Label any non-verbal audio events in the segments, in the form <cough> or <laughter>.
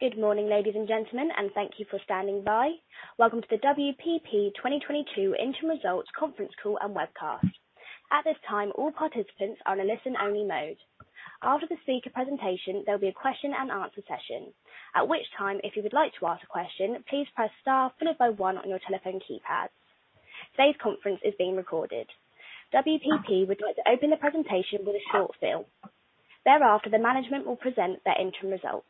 Good morning, ladies and gentlemen, and thank you for standing by. Welcome to the WPP 2022 interim results conference call and webcast. At this time, all participants are on a listen-only mode. After the speaker presentation, there'll be a question-and-answer session. At which time, if you would like to ask a question, please press star followed by one on your telephone keypad. Today's conference is being recorded. WPP would like to open the presentation with a short film. Thereafter, the management will present their interim results.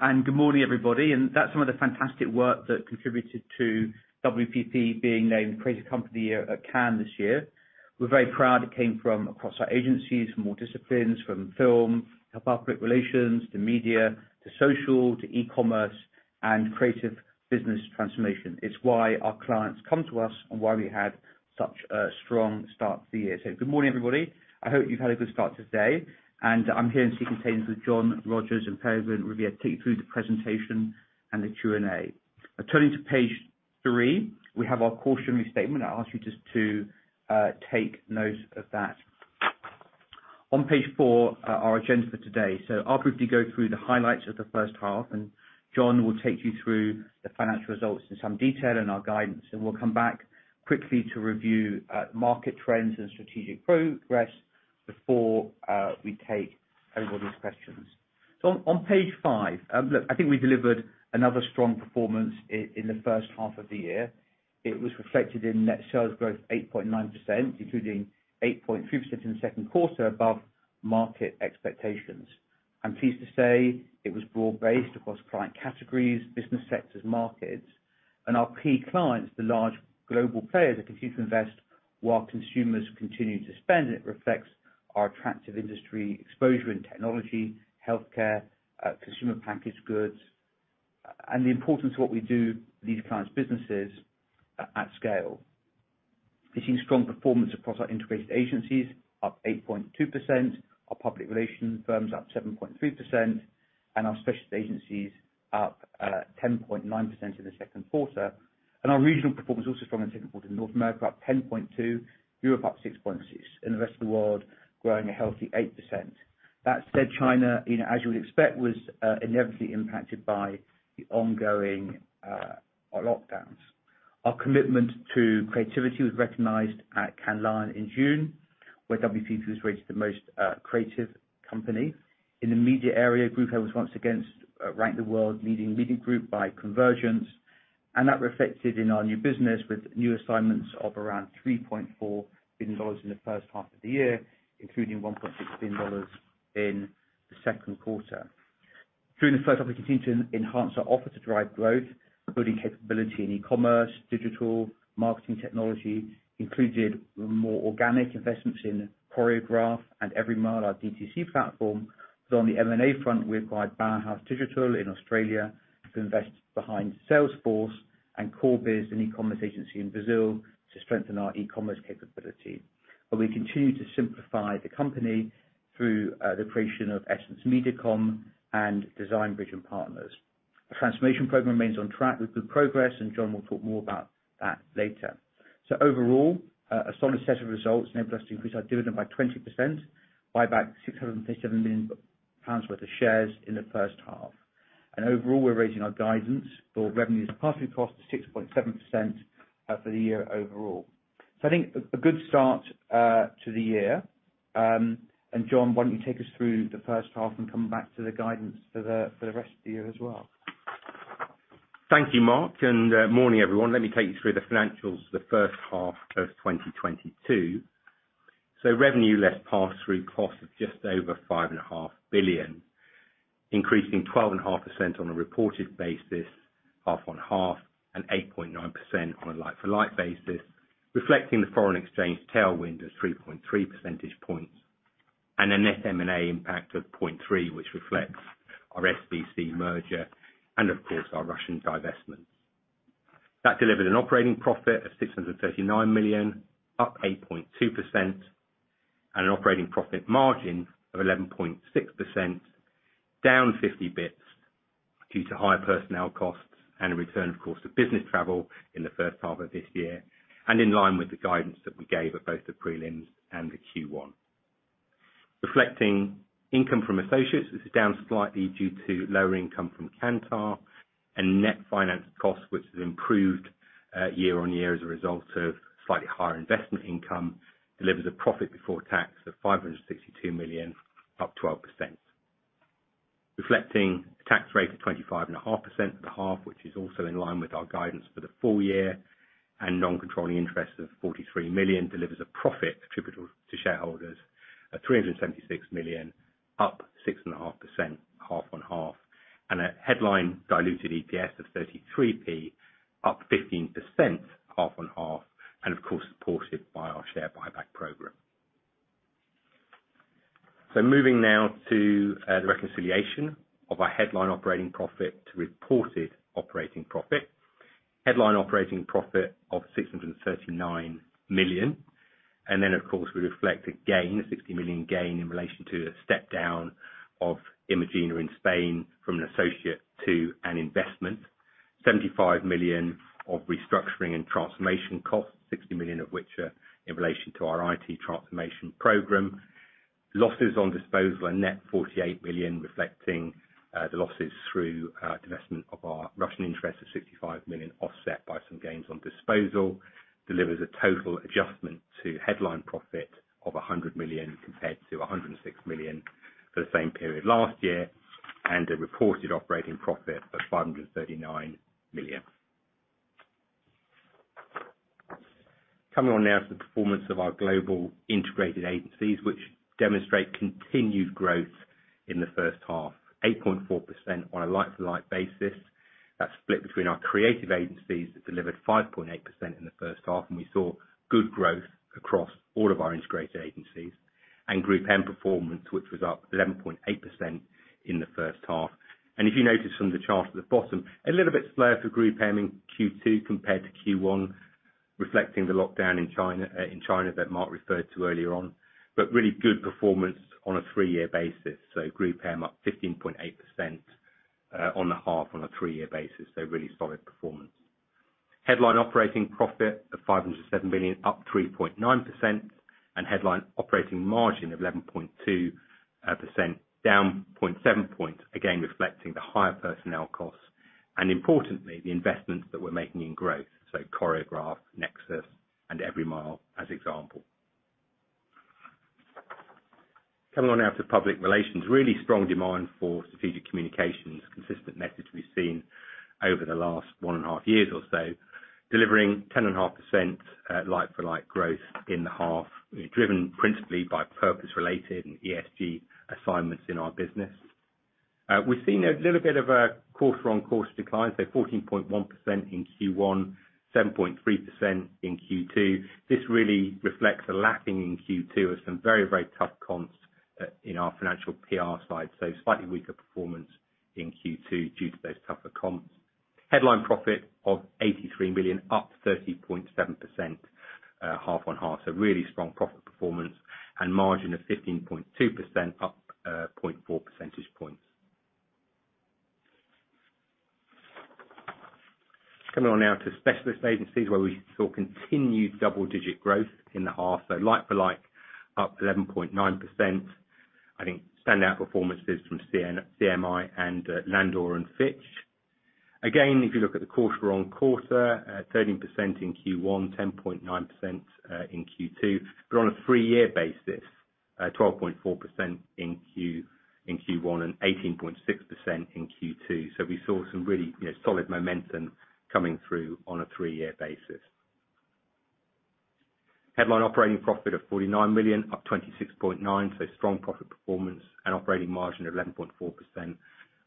All right, good morning, everybody. That's some of the fantastic work that contributed to WPP being named Creative Company of the Year at Cannes this year. We're very proud it came from across our agencies, from all disciplines, from film to public relations, to media, to social, to e-commerce and creative business transformation. It's why our clients come to us and why we had such a strong start to the year. Good morning, everybody. I hope you've had a good start to the day, and I'm here in sequence with John Rogers and Peregrine Riviere to take you through the presentation and the Q&A. Turning to page three, we have our cautionary statement. I ask you just to take note of that. On page four, our agenda for today. I'll briefly go through the highlights of the first half, and John will take you through the financial results in some detail and our guidance. We'll come back quickly to review market trends and strategic progress before we take everybody's questions. On page five, look, I think we delivered another strong performance in the first half of the year. It was reflected in net sales growth 8.9%, including 8.5% in the second quarter above market expectations. I'm pleased to say it was broad-based across client categories, business sectors, markets, and our key clients, the large global players that continue to invest while consumers continue to spend. It reflects our attractive industry exposure in technology, healthcare, consumer packaged goods, and the importance of what we do for these clients' businesses at scale. We've seen strong performance across our integrated agencies, up 8.2%. Our public relations firm's up 7.3%, and our specialist agencies up 10.9% in the second quarter. Our regional performance is also strong in the second quarter. In North America, up 10.2%. Europe, up 6.6%. In the rest of the world, growing a healthy 8%. That said, China, you know, as you would expect, was inevitably impacted by the ongoing lockdowns. Our commitment to creativity was recognized at Cannes Lions in June, where WPP was rated the most creative company. In the media area, GroupM was once again ranked the world's leading Media Group by Comvergence, and that reflected in our new business with new assignments of around $3.4 billion in the first half of the year, including $1.6 billion in the second quarter. During the first half, we continued to enhance our offer to drive growth, including capability in e-commerce, digital marketing technology. Included were more organic investments in Choreograph and Everymile, our DTC platform. On the M&A front, we acquired Bower House Digital in Australia to invest behind Salesforce and Corebiz, an e-commerce agency in Brazil, to strengthen our e-commerce capability. We continue to simplify the company through the creation of EssenceMediacom and Design Bridge and Partners. The transformation program remains on track with good progress, and John will talk more about that later. Overall, a solid set of results enabled us to increase our dividend by 20%, buy back 657 million pounds worth of shares in the first half. Overall, we're raising our guidance for revenue less pass-through costs to 6.7% for the year overall. I think a good start to the year. John, why don't you take us through the first half and come back to the guidance for the rest of the year as well. Thank you, Mark. Morning, everyone. Let me take you through the financials for the first half of 2022. Revenue less pass-through cost of just over 5.5 billion, increasing 12.5% on a reported basis, half-on-half, and 8.9% on a like-for-like basis, reflecting the foreign exchange tailwind of 3.3 percentage points and a net M&A impact of 0.3, which reflects our SVC merger and, of course, our Russian divestment. That delivered an operating profit of 639 million, up 8.2%, and an operating profit margin of 11.6%, down 50 basis points due to higher personnel costs and a return, of course, to business travel in the first half of this year, and in line with the guidance that we gave at both the prelims and the Q1. Reflecting income from associates. This is down slightly due to lower income from Kantar and net finance costs, which have improved year-on-year as a result of slightly higher investment income, delivers a profit before tax of 562 million, up 12%. Reflecting a tax rate of 25.5% for the half, which is also in line with our guidance for the full year, and non-controlling interest of 43 million delivers a profit attributable to shareholders of 376 million, up 6.5% half-on-half, and a headline diluted EPS of 33p, up 15% half-on-half, and of course, supported by our share buyback program. Moving now to the reconciliation of our headline operating profit to reported operating profit. Headline operating profit of 639 million, and then of course, we reflect a gain, a 60 million gain in relation to the step down of Imagine in Spain from an associate to an investment. 75 million of restructuring and transformation costs, 60 million of which are in relation to our IT transformation program. Losses on disposal are net 48 million, reflecting the losses through divestment of our Russian interest of 65 million, offset by some gains on disposal, delivers a total adjustment to headline profit of 100 million compared to 106 million for the same period last year, and a reported operating profit of 539 million. Coming on now to the performance of our global integrated agencies, which demonstrate continued growth in the first half. 8.4% on a like-for-like basis. That's split between our creative agencies that delivered 5.8% in the first half. We saw good growth across all of our integrated agencies, and GroupM performance, which was up 11.8% in the first half. If you notice from the chart at the bottom, a little bit slower for GroupM in Q2 compared to Q1, reflecting the lockdown in China, in China that Mark referred to earlier on. Really good performance on a three-year basis. GroupM up 15.8%, on the half on a three-year basis. Really solid performance. Headline operating profit of 507 million, up 3.9%. Headline operating margin of 11.2%, down 0.7 points, again reflecting the higher personnel costs and importantly, the investments that we're making in growth. Choreograph, Nexus, and Everymile as example. Coming on now to public relations. Really strong demand for strategic communications. Consistent message we've seen over the last one and 1/2 years or so. Delivering 10.5% like-for-like growth in the half, driven principally by purpose-related and ESG assignments in our business. We've seen a little bit of a quarter-over-quarter decline, so 14.1% in Q1, 7.3% in Q2. This really reflects a lapping in Q2 of some very, very tough comps in our financial PR side. Slightly weaker performance in Q2 due to those tougher comps. Headline profit of 83 million, up 30.7% half-on-half. Really strong profit performance. Margin of 15.2%, up 0.4 percentage points. Coming on now to specialist agencies, where we saw continued double-digit growth in the half. Like-for-like, up 11.9%. I think standout performances from CMI and Landor & Fitch. Again, if you look at the quarter-on-quarter, 13% in Q1, 10.9% in Q2. On a three-year basis, 12.4% in Q1 and 18.6% in Q2. We saw some really, you know, solid momentum coming through on a three-year basis. Headline operating profit of 49 million, up 26.9%, so strong profit performance and operating margin of 11.4%,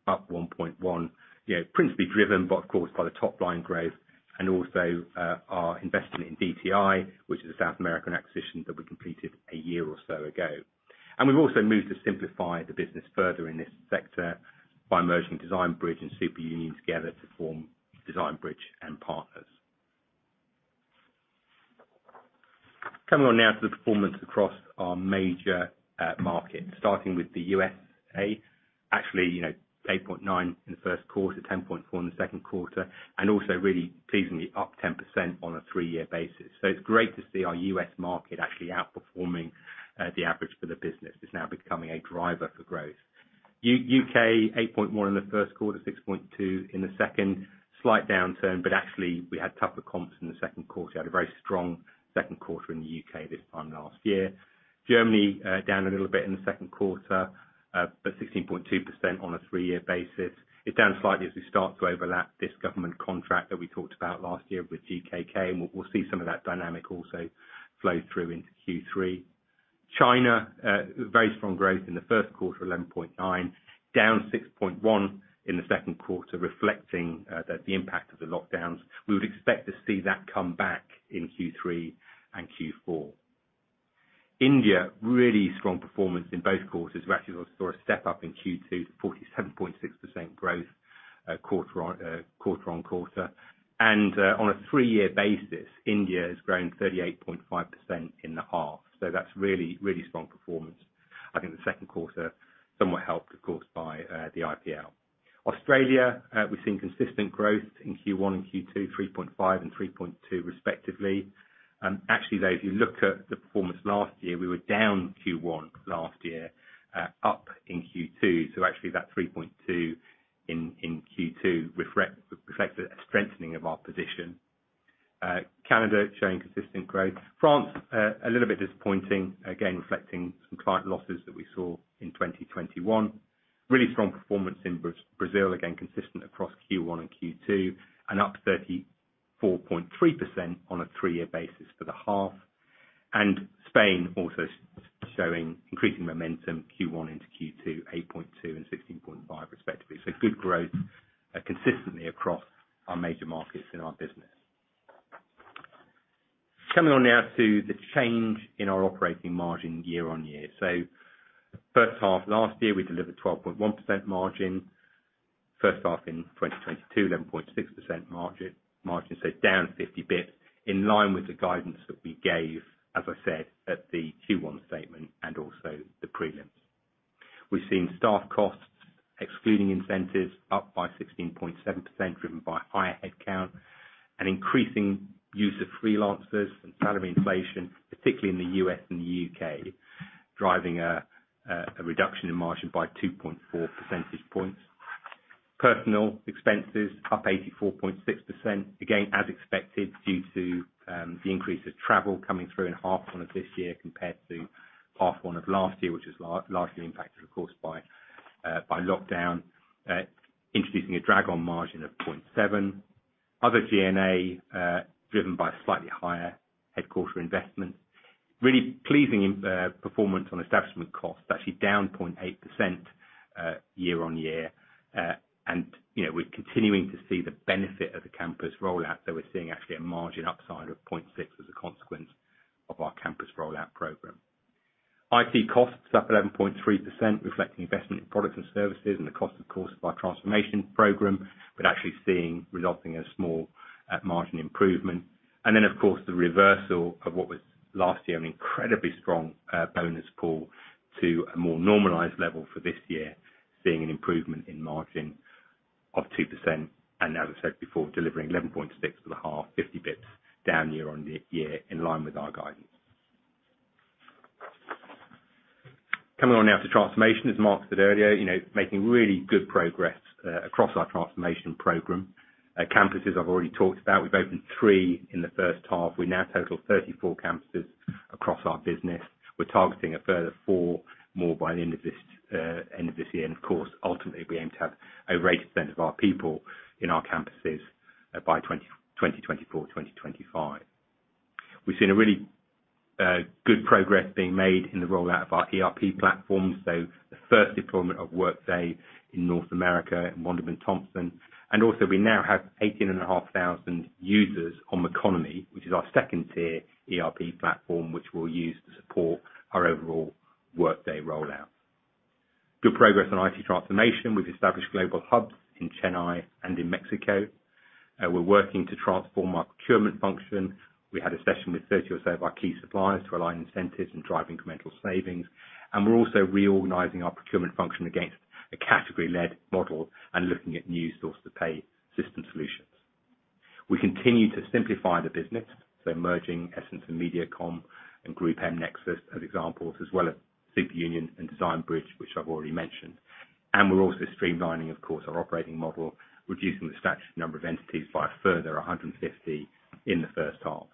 up 1.1. You know, principally driven, of course, by the top-line growth and also, our investment in DTI, which is a South American acquisition that we completed a year or so ago. We've also moved to simplify the business further in this sector by merging Design Bridge and Superunion together to form Design Bridge and Partners. Coming on now to the performance across our major markets, starting with the U.S.A. Actually, you know, 8.9% in the first quarter, 10.4% in the second quarter, and also really pleasingly up 10% on a three-year basis. It's great to see our U.S. market actually outperforming the average for the business. It's now becoming a driver for growth. U.K., 8.1% in the first quarter, 6.2% in the second. Slight downturn, but actually we had tougher comps in the second quarter. We had a very strong second quarter in the U.K. this time last year. Germany down a little bit in the second quarter, but 16.2% on a three-year basis. It's down slightly as we start to overlap this government contract that we talked about last year with GKK, and we'll see some of that dynamic also flow through into Q3. China, very strong growth in the first quarter, 11.9%. Down 6.1% in the second quarter, reflecting the impact of the lockdowns. We would expect to see that come back in Q3 and Q4. India, really strong performance in both quarters. We actually got sort of step up in Q2 to 47.6% growth, quarter-on-quarter. On a three-year basis, India has grown 38.5% in the half. So that's really, really strong performance. I think the second quarter somewhat helped, of course, by the IPL. Australia, we've seen consistent growth in Q1 and Q2, 3.5% and 3.2% respectively. Actually, though, if you look at the performance last year, we were down Q1 last year, up in Q2. Actually that 3.2 in Q2 reflected a strengthening of our position. Canada, showing consistent growth. France, a little bit disappointing, again, reflecting some client losses that we saw in 2021. Really strong performance in Brazil, again, consistent across Q1 and Q2, and up 34.3% on a three-year basis for the half. Spain, also showing increasing momentum Q1 into Q2, 8.2% and 16.5%, respectively. Good growth consistently across our major markets in our business. Coming on now to the change in our operating margin year-on-year. First half last year, we delivered 12.1% margin. First half in 2022, 11.6% margin, down 50 basis points, in line with the guidance that we gave, as I said, at the Q1 statement and also the prelims. We're seeing staff costs, excluding incentives, up by 16.7%, driven by higher headcount and increasing use of freelancers and salary inflation, particularly in the U.S. and the U.K., driving a reduction in margin by 2.4 percentage points. Personnel expenses up 84.6%, again, as expected, due to the increase of travel coming through in H1 of this year compared to H1 of last year, which was largely impacted, of course, by lockdown, introducing a drag on margin of 0.7. Other G&A, driven by slightly higher headquarters investment. Really pleasing performance on establishment costs, actually down 0.8%, year-on-year. You know, we're continuing to see the benefit of the campus rollout, so we're seeing actually a margin upside of 0.6 as a consequence of our campus rollout program. IT costs up 11.3%, reflecting investment in products and services and the cost, of course, of our transformation program, but actually seeing resulting in a small net margin improvement. Of course, the reversal of what was last year an incredibly strong bonus pool to a more normalized level for this year, seeing an improvement in margin of 2%, and as I said before, delivering 11.6% for the half, 50 bps down year-on-year in line with our guidance. Coming on now to transformation, as Mark said earlier, making really good progress across our transformation program. Campuses, I've already talked about. We've opened three in the first half. We now total 34 campuses across our business. We're targeting a further four more by the end of this year. Of course, ultimately, we aim to have over 80% of our people in our campuses by 2024, 2025. We've seen a really good progress being made in the rollout of our ERP platform. The first deployment of Workday in North America and Wunderman Thompson. We now have 18,500 users on Maconomy, which is our second-tier ERP platform, which we'll use to support our overall Workday rollout. Good progress on IT transformation. We've established global hubs in Chennai and in Mexico. We're working to transform our procurement function. We had a session with 30 or so of our key suppliers to align incentives and drive incremental savings. We're also reorganizing our procurement function against a category-led model and looking at new source to pay system solutions. We continue to simplify the business, so merging Essence and MediaCom and GroupM Nexus as examples, as well as Superunion and Design Bridge, which I've already mentioned. We're also streamlining, of course, our operating model, reducing the statutory number of entities by a further 150 in the first half.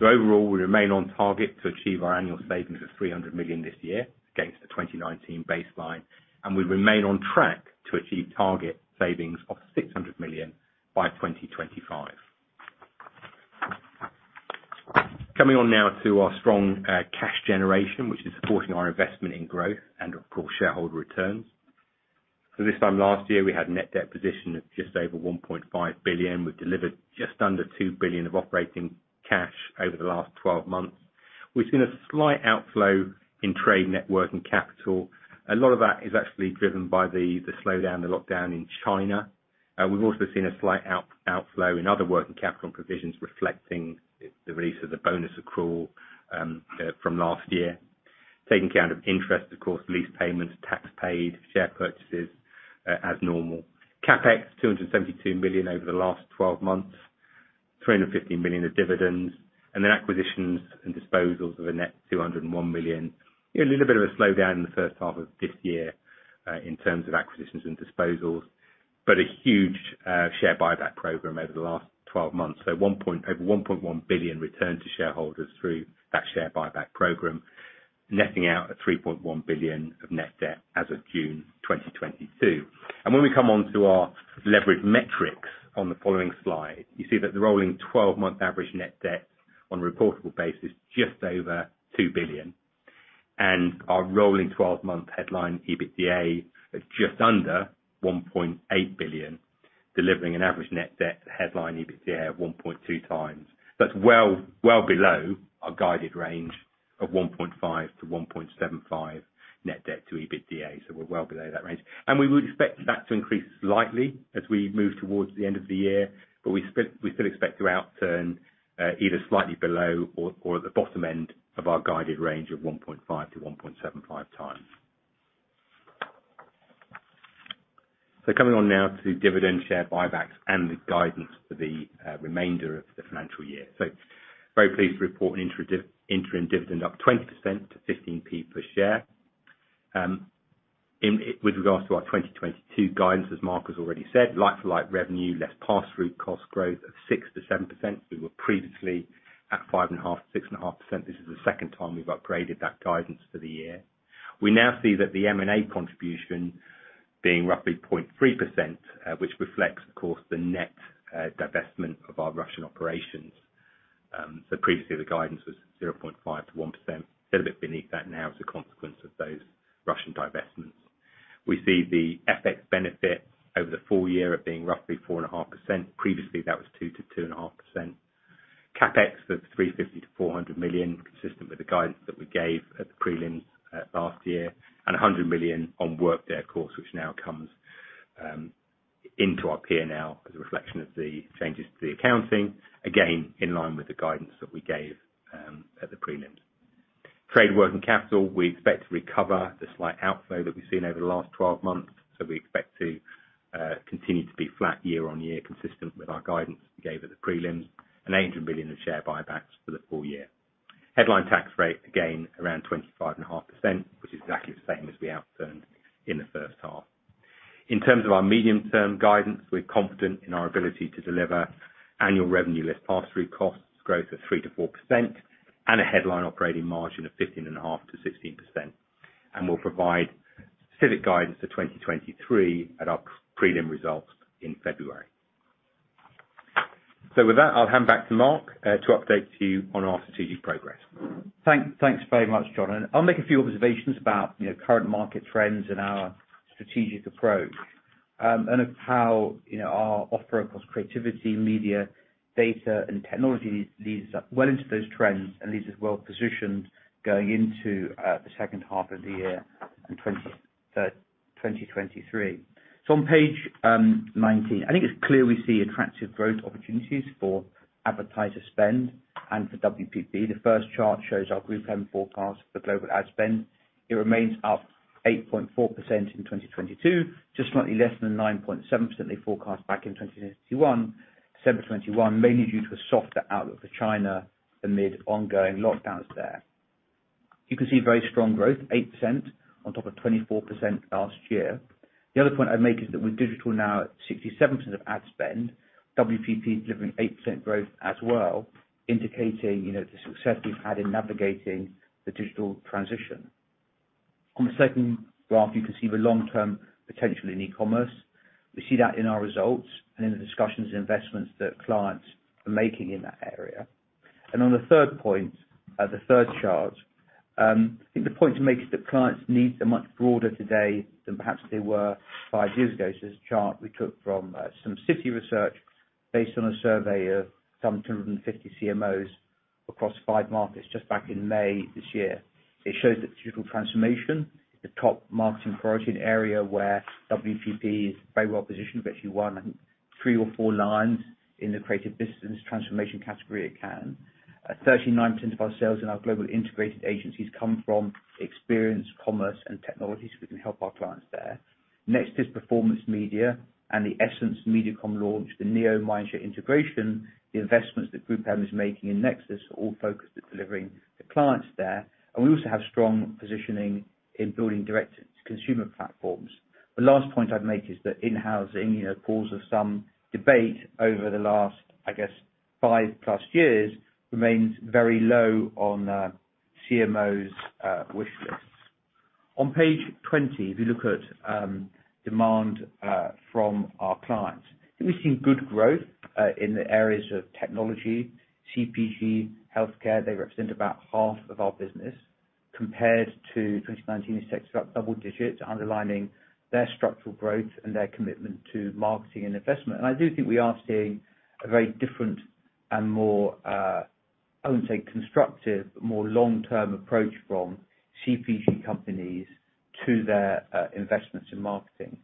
Overall, we remain on target to achieve our annual savings of 300 million this year against the 2019 baseline, and we remain on track to achieve target savings of 600 million by 2025. Coming on now to our strong cash generation, which is supporting our investment in growth and of course, shareholder returns. This time last year, we had net debt position of just over 1.5 billion. We've delivered just under 2 billion of operating cash over the last twelve months. We've seen a slight outflow in working capital. A lot of that is actually driven by the slowdown, the lockdown in China. We've also seen a slight outflow in other working capital provisions reflecting the release of the bonus accrual from last year. Taking account of interest, of course, lease payments, tax paid, share purchases, as normal. CapEx, 272 million over the last twelve months, 350 million of dividends, and then acquisitions and disposals of a net 201 million. You know, a little bit of a slowdown in the first half of this year, in terms of acquisitions and disposals, but a huge share buyback program over the last twelve months. Over 1.1 billion returned to shareholders through that share buyback program, netting out at 3.1 billion of net debt as of June 2022. When we come on to our leverage metrics on the following slide, you see that the rolling 12-month average net debt on a reportable basis, just over 2 billion. Our rolling 12-month headline EBITDA is just under 1.8 billion, delivering an average net debt headline EBITDA of 1.2x. That's well, well below our guided range of 1.5-1.75 net debt-to-EBITDA, so we're well below that range. We would expect that to increase slightly as we move towards the end of the year, but we still expect to outturn either slightly below or at the bottom end of our guided range of 1.5x-1.75x. Coming on now to dividend share buybacks and the guidance for the remainder of the financial year. Very pleased to report an interim dividend up 20% to 15p per share. With regards to our 2022 guidance, as Mark has already said, like-for-like revenue, less pass-through costs growth of 6%-7%. We were previously at 5.5%-6.5%. This is the second time we've upgraded that guidance for the year. We now see that the M&A contribution being roughly 0.3%, which reflects, of course, the net divestment of our Russian operations. Previously the guidance was 0.5%-1%. Still a bit beneath that now as a consequence of those Russian divestments. We see the FX benefit over the full year of being roughly 4.5%. Previously, that was 2%-2.5%. CapEx for 350 million-400 million, consistent with the guidance that we gave at the prelims last year, and 100 million on Workday, of course, which now comes into our P&L as a reflection of the changes to the accounting, again, in line with the guidance that we gave at the prelim. Trade working capital, we expect to recover the slight outflow that we've seen over the last 12 months. We expect to continue to be flat year-on-year, consistent with our guidance we gave at the prelims. 80 million of share buybacks for the full year. Headline tax rate, again, around 25.5%, which is exactly the same as we outturned in the first half. In terms of our medium-term guidance, we're confident in our ability to deliver annual revenue less pass-through costs growth of 3%-4%, and a headline operating margin of 15.5%-16%. We'll provide specific guidance for 2023 at our prelim results in February. With that, I'll hand back to Mark to update you on our strategic progress. Thanks very much, John. I'll make a few observations about, you know, current market trends and our strategic approach, and how, you know, our offer across creativity, media, data, and technology leads us well into those trends and leaves us well-positioned going into the second half of the year in 2023. On page 19, I think it's clear we see attractive growth opportunities for advertiser spend and for WPP. The first chart shows our GroupM forecast for global ad spend. It remains up 8.4% in 2022, just slightly less than 9.7% they forecast back in 2021, December of 2021, mainly due to a softer outlook for China amid ongoing lockdowns there. You can see very strong growth, 8% on top of 24% last year. The other point I'd make is that with digital now at 67% of ad spend, WPP is delivering 8% growth as well, indicating, you know, the success we've had in navigating the digital transition. On the second graph, you can see the long-term potential in e-commerce. We see that in our results and in the discussions and investments that clients are making in that area. On the third point, the third chart, I think the point to make is that clients' needs are much broader today than perhaps they were five years ago. This is a chart we took from Citi research based on a survey of some 250 CMOs across five markets just back in May this year. It shows that digital transformation, the top marketing priority area where WPP, is very well positioned. We've actually won, I think, three or four Lions in the creative business transformation category at Cannes. 39% of our sales in our global integrated agencies come from experience, commerce and technology, so we can help our clients there. Next is performance media and the EssenceMediacom launch, the Neo Mindshare integration, the investments that GroupM is making in Nexus are all focused at delivering the clients there. We also have strong positioning in building direct to consumer platforms. The last point I'd make is that in-housing, you know, cause of some debate over the last, I guess, 5+ years, remains very low on CMOs' wish lists. On page 20, if you look at demand from our clients, I think we've seen good growth in the areas of technology, CPG, healthcare. They represent about half of our business compared to 2019, it's actually about double digits, underlining their structural growth and their commitment to marketing and investment. I do think we are seeing a very different and more, I wouldn't say constructive, more long-term approach from CPG companies to their investments in marketing.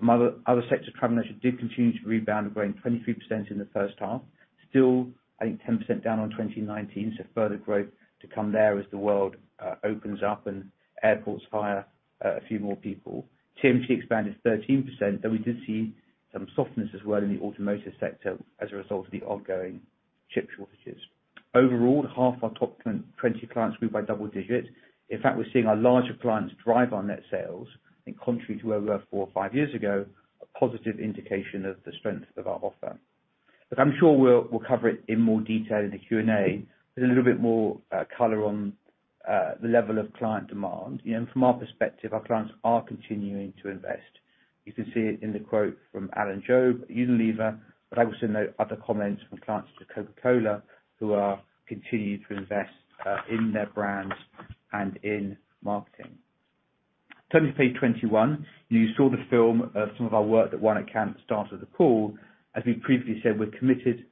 Other sectors, travel and leisure did continue to rebound, growing 23% in the first half. Still, I think 10% down on 2019, so further growth to come there as the world opens up and airports hire a few more people. FMCG expanded 13%, though we did see some softness as well in the automotive sector as a result of the ongoing chip shortages. Overall, half our top 20 clients grew by double digits. In fact, we're seeing our larger clients drive our net sales, in contrast to where we were four or five years ago, a positive indication of the strength of our offer. I'm sure we'll cover it in more detail in the Q&A, with a little bit more color on the level of client demand. You know, from our perspective, our clients are continuing to invest. You can see it in the quote from Alan Jope at Unilever, but I also note other comments from clients such as Coca-Cola, who are continuing to invest in their brands and in marketing. Turning to page 21, you saw the film of some of our work that won at Cannes at the start of the call. As we previously said, we're committed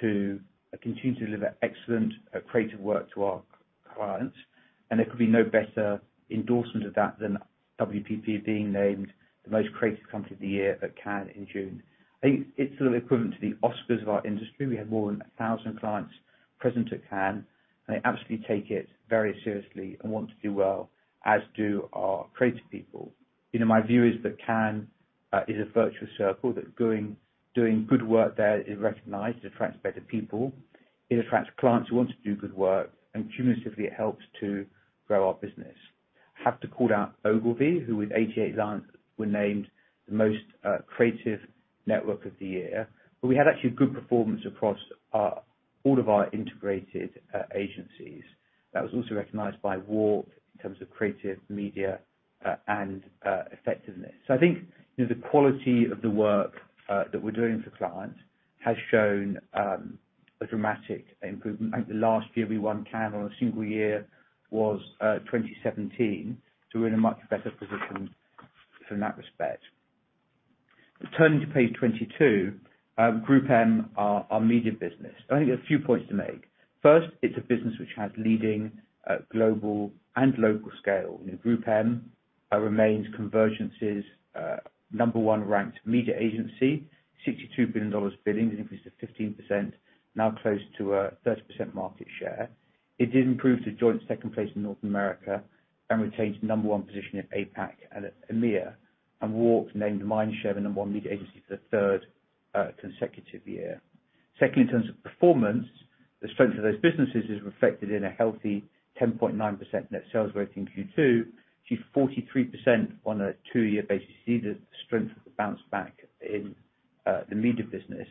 to continue to deliver excellent creative work to our clients, and there could be no better endorsement of that than WPP being named the Most Creative Company of the Year at Cannes in June. I think it's sort of equivalent to the Oscars of our industry. We had more than 1,000 clients present at Cannes, and they absolutely take it very seriously and want to do well, as do our creative people. You know, my view is that Cannes is a virtuous circle, that doing good work there is recognized, attracts better people. It attracts clients who want to do good work, and cumulatively, it helps to grow our business. Have to call out Ogilvy, who with 88 Lions, were named the Most Creative Network of the Year. We had actually a good performance across all of our integrated agencies. That was also recognized by WARC in terms of creative media and effectiveness. I think, you know, the quality of the work that we're doing for clients has shown a dramatic improvement. Ithink the last year, we won Cannes in a single year was 2017. We're in a much better position from that respect. Turning to page 22, GroupM, our media business. I think there are a few points to make. First, it's a business which has leading global and local scale. You know, GroupM remains RECMA's number one ranked media agency. $62 billion billing, an increase of 15%, now close to a 30% market share. It did improve to joint second place in North America and retains number one position in APAC and EMEA, and WARC named Mindshare the number one media agency for the third consecutive year. Second, in terms of performance, the strength of those businesses is reflected in a healthy 10.9% net sales growth in Q2 to 43% on a two-year basis. You see the strength of the bounce back in the media business.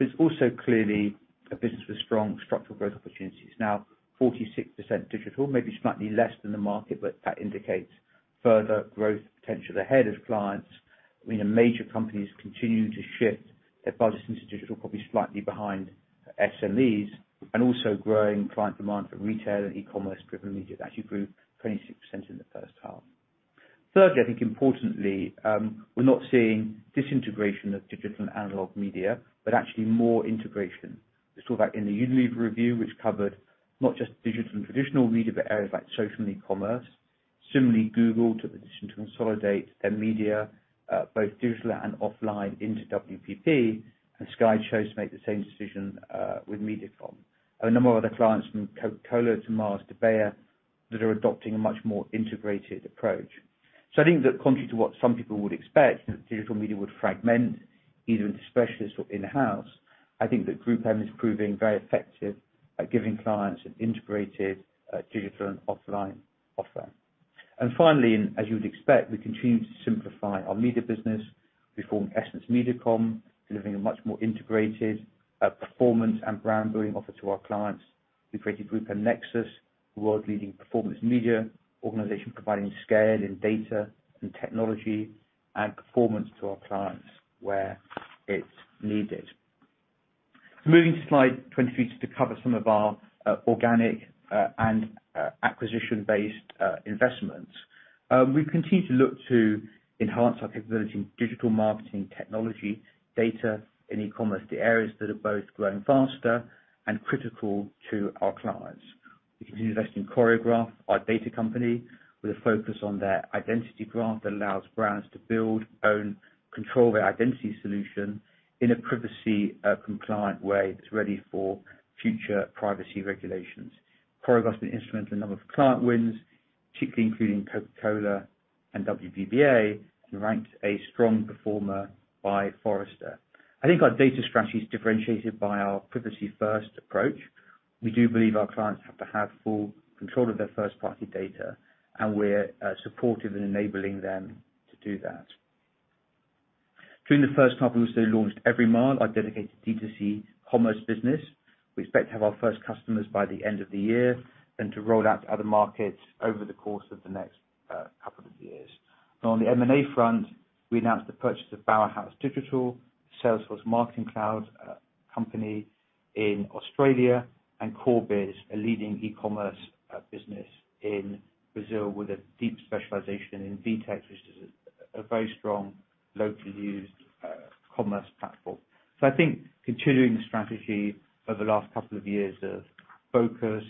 It's also clearly a business with strong structural growth opportunities. Now 46% digital, maybe slightly less than the market, but that indicates further growth potential ahead of clients. You know, major companies continue to shift their budgets into digital, probably slightly behind SMEs, and also growing client demand for retail and e-commerce driven media. That actually grew 26% in the first half. Thirdly, I think importantly, we're not seeing disintegration of digital and analog media, but actually more integration. We saw that in the Unilever review, which covered not just digital and traditional media, but areas like social and e-commerce. Similarly, Google took the decision to consolidate their media, both digital and offline, into WPP, and Sky chose to make the same decision with MediaCom. There are a number of other clients from Coca-Cola to Mars to Bayer that are adopting a much more integrated approach. I think that contrary to what some people would expect, that digital media would fragment either into specialist or in-house, I think that GroupM is proving very effective at giving clients an integrated, digital and offline offer. Finally, as you would expect, we continue to simplify our media business. We formed EssenceMediacom, delivering a much more integrated, performance and brand building offer to our clients. We've created GroupM Nexus, a world leading performance media organization providing scale and data and technology and performance to our clients where it's needed. Moving to slide 23, just to cover some of our organic and acquisition-based investments. We continue to look to enhance our capability in digital marketing technology, data and e-commerce, the areas that are both growing faster and critical to our clients. We continue to invest in Choreograph, our data company, with a focus on their identity graph that allows brands to build, own, control their identity solution in a privacy compliant way that's ready for future privacy regulations. Choreograph's been instrumental in a number of client wins, particularly including Coca-Cola and BBVA, and ranked a strong performer by Forrester. I think our data strategy is differentiated by our privacy first approach. We do believe our clients have to have full control of their first party data, and we're supportive in enabling them to do that. During the first half, we also launched Everymile, our dedicated D2C commerce business. We expect to have our first customers by the end of the year, and to roll out to other markets over the course of the next couple of years. Now on the M&A front, we announced the purchase of Bower House Digital, a Salesforce marketing cloud company in Australia, and Corebiz, a leading e-commerce business in Brazil with a deep specialization in VTEX, which is a very strong locally used commerce platform. I think continuing the strategy over the last couple of years of focus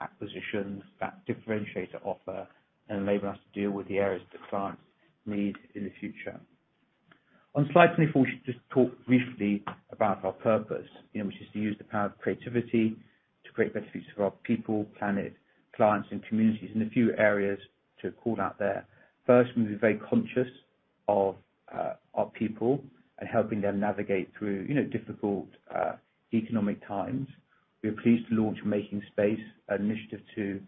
acquisitions that differentiate our offer and enable us to deal with the areas that clients need in the future. On slide 24, we should just talk briefly about our purpose, you know, which is to use the power of creativity to create better futures for our people, planet, clients and communities, and a few areas to call out there. First, we're very conscious of our people and helping them navigate through, you know, difficult economic times. We are pleased to launch Making Space, an initiative to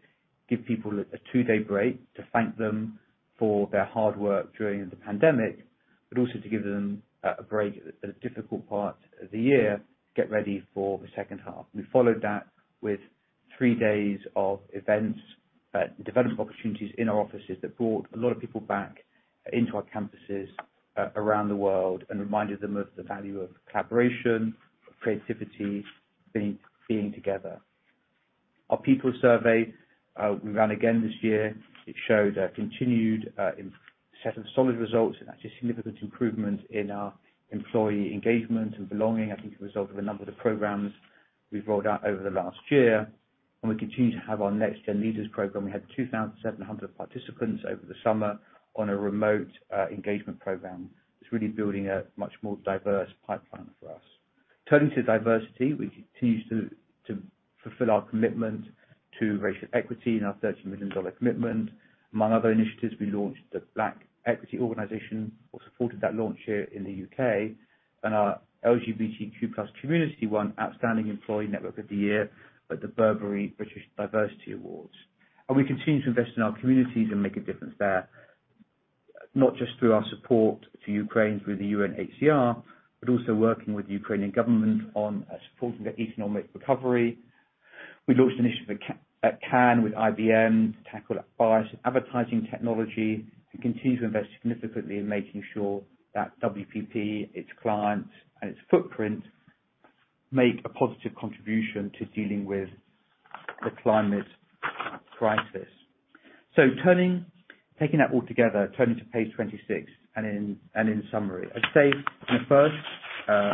give people a two-day break to thank them for their hard work during the pandemic, but also to give them a break at a difficult part of the year to get ready for the second half. We followed that with three days of events, development opportunities in our offices that brought a lot of people back into our campuses around the world and reminded them of the value of collaboration, creativity, being together. Our people survey, we ran again this year, it showed a continued set of solid results and actually significant improvement in our employee engagement and belonging. I think as a result of a number of the programs we've rolled out over the last year, and we continue to have our NextGen Leaders program. We had 2,700 participants over the summer on a remote engagement program. It's really building a much more diverse pipeline for us. Turning to diversity, we continue to fulfill our commitment to racial equity and our $30 million commitment. Among other initiatives, we launched the Black Equity Organization, or supported that launch here in the U.K., and our LGBTQ+ community won Outstanding Employee Network of the Year at the Burberry British Diversity Awards. We continue to invest in our communities and make a difference there, not just through our support to Ukraine through the UNHCR, but also working with the Ukrainian government on supporting their economic recovery. We launched an initiative at Cannes with IBM to tackle bias in advertising technology. We continue to invest significantly in making sure that WPP, its clients, and its footprint make a positive contribution to dealing with the climate crisis. Taking that all together, turning to page 26, and in summary, I'd say in the first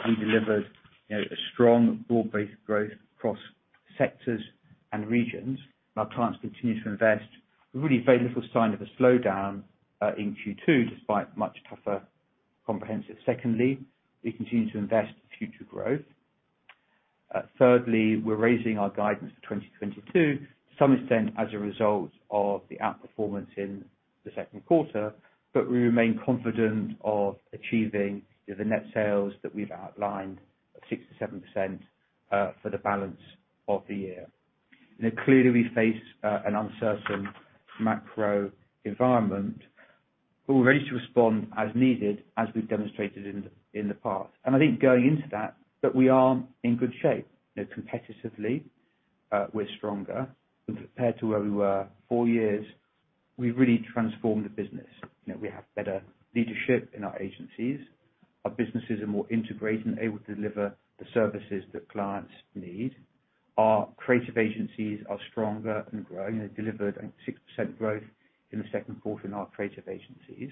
we delivered, you know, a strong broad-based growth across sectors and regions, and our clients continue to invest. Really very little sign of a slowdown in Q2 despite much tougher comps. Secondly, we continue to invest for future growth. Thirdly, we're raising our guidance for 2022 to some extent as a result of the outperformance in the second quarter, but we remain confident of achieving the net sales that we've outlined of 6%-7% for the balance of the year. Now, clearly, we face an uncertain macro environment. We're ready to respond as needed, as we've demonstrated in the past. I think going into that we are in good shape. You know, competitively, we're stronger. Compared to where we were four years, we've really transformed the business. You know, we have better leadership in our agencies. Our businesses are more integrated and able to deliver the services that clients need. Our creative agencies are stronger and growing. They delivered a 6% growth in the second quarter in our creative agencies.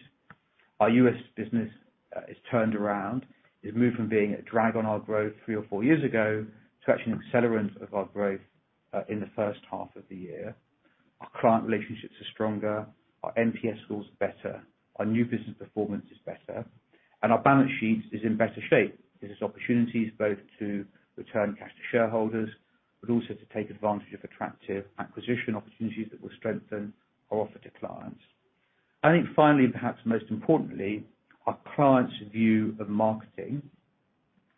Our U.S. business has turned around. It's moved from being a drag on our growth three or four years ago to actually an accelerant of our growth in the first half of the year. Our client relationships are stronger, our NPS score's better, our new business performance is better, and our balance sheet is in better shape. This is opportunities both to return cash to shareholders, but also to take advantage of attractive acquisition opportunities that will strengthen our offer to clients. I think finally, and perhaps most importantly, our clients' view of marketing,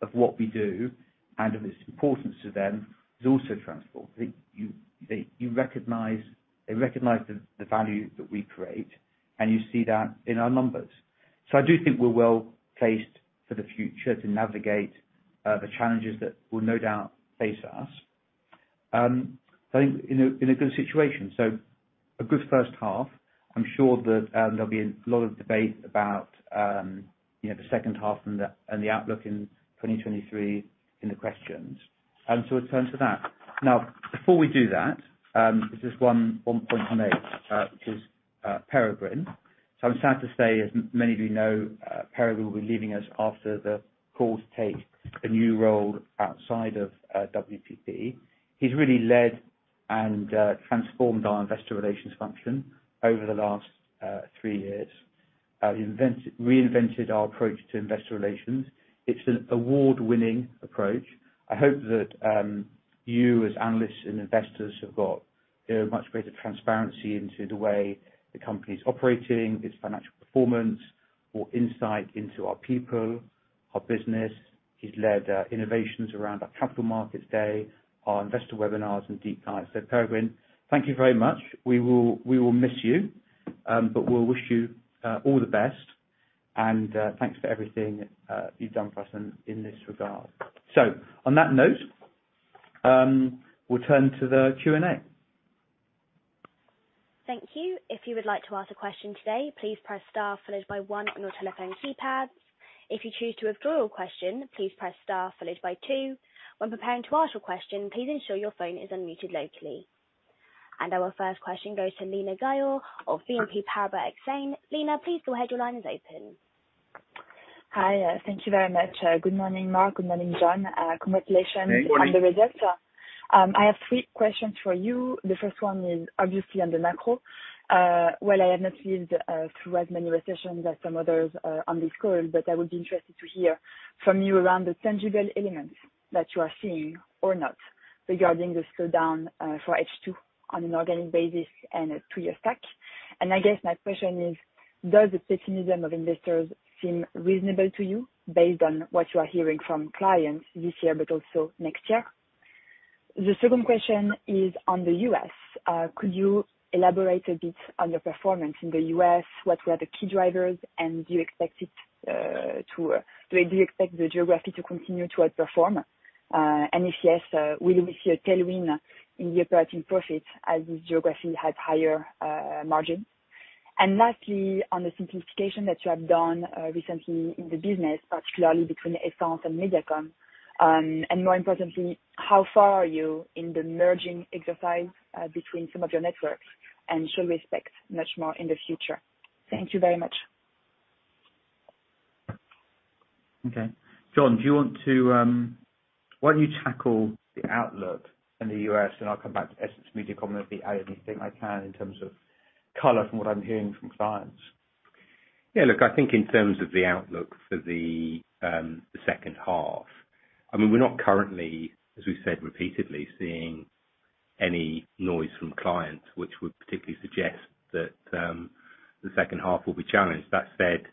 of what we do and of its importance to them, is also transformed. I think they recognize the value that we create, and you see that in our numbers. I do think we're well-placed for the future to navigate the challenges that will no doubt face us. I think we're in a good situation. A good first half. I'm sure that there'll be a lot of debate about, you know, the second half and the outlook in 2023 in the questions, and so we'll turn to that. Now, before we do that, just one point I make, which is, Peregrine. I'm sad to say, as many of you know, Peregrine will be leaving us after the call to take a new role outside of WPP. He's really led and, transformed our investor relations function over the last, three years. He reinvented our approach to investor relations. It's an award-winning approach. I hope that, you, as analysts and investors, have got a much greater transparency into the way the company's operating, its financial performance or insight into our people, our business. He's led, innovations around our Capital Markets Day, our investor webinars and deep dives. Peregrine, thank you very much. We will miss you, but we'll wish you all the best. Thanks for everything you've done for us in this regard. On that note, we'll turn to the Q&A. Thank you. If you would like to ask a question today, please press star followed by one on your telephone keypads. If you choose to withdraw your question, please press star followed by two. When preparing to ask your question, please ensure your phone is unmuted locally. Our first question goes to Lina Ghayor of BNP Paribas Exane. Lina, please go ahead. Your line is open. Hi. Thank you very much. Good morning, Mark. Good morning, John. Congratulations on the results. Good morning. I have three questions for you. The first one is obviously on the macro. While I have not lived through as many recessions as some others on this call, but I would be interested to hear from you around the tangible elements that you are seeing or not regarding the slowdown for H2 on an organic basis and a two-year stack. I guess my question is, does the pessimism of investors seem reasonable to you based on what you are hearing from clients this year but also next year? The second question is on the U.S. Could you elaborate a bit on the performance in the U.S., what were the key drivers, and do you expect the geography to continue to outperform? If yes, will we see a tailwind in the operating profits as this geography has higher margins? Lastly, on the simplification that you have done recently in the business, particularly between Essence and MediaCom, and more importantly, how far are you in the merging exercise between some of your networks and should we expect much more in the future? Thank you very much. Okay. John, why don't you tackle the outlook in the U.S. and I'll come back to EssenceMediacom and do the thing I can in terms of color from what I'm hearing from clients. Yeah. Look, I think in terms of the outlook for the second half, I mean, we're not currently, as we said repeatedly, seeing any noise from clients which would particularly suggest that the second half will be challenged. That said,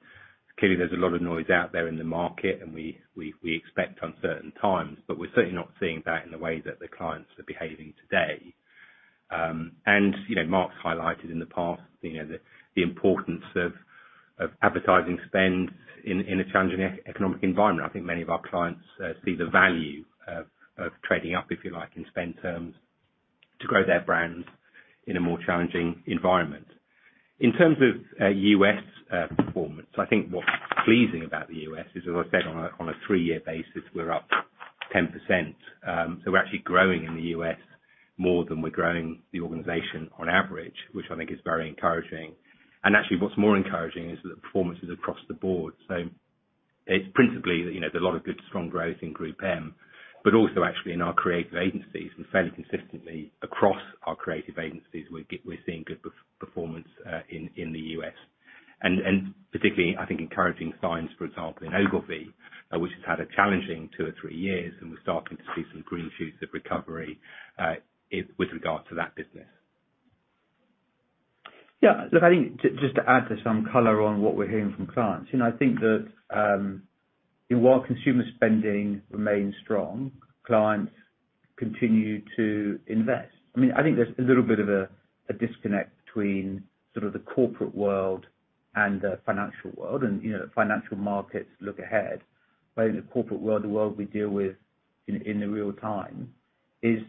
clearly there's a lot of noise out there in the market and we expect uncertain times, but we're certainly not seeing that in the way that the clients are behaving today. You know, Mark's highlighted in the past, you know, the importance of advertising spend in a challenging economic environment. I think many of our clients see the value of trading up, if you like, in spend terms to grow their brands in a more challenging environment. In terms of U.S. performance, I think what's pleasing about the U.S. is, as I said, on a three-year basis, we're up 10%. We're actually growing in the U.S. more than we're growing the organization on average, which I think is very encouraging. Actually what's more encouraging is that the performance is across the board. It's principally, you know, there's a lot of good, strong growth in GroupM, but also actually in our creative agencies and fairly consistently across our creative agencies, we're seeing good performance in the U.S. Particularly I think encouraging signs, for example, in Ogilvy, which has had a challenging two or three years, and we're starting to see some green shoots of recovery with regard to that business. Yeah. Look, I think just to add some color on what we're hearing from clients, you know, I think that, you know, while consumer spending remains strong, clients continue to invest. I mean, I think there's a little bit of a disconnect between sort of the corporate world and the financial world. You know, financial markets look ahead, but in the corporate world, the world we deal with in the real time is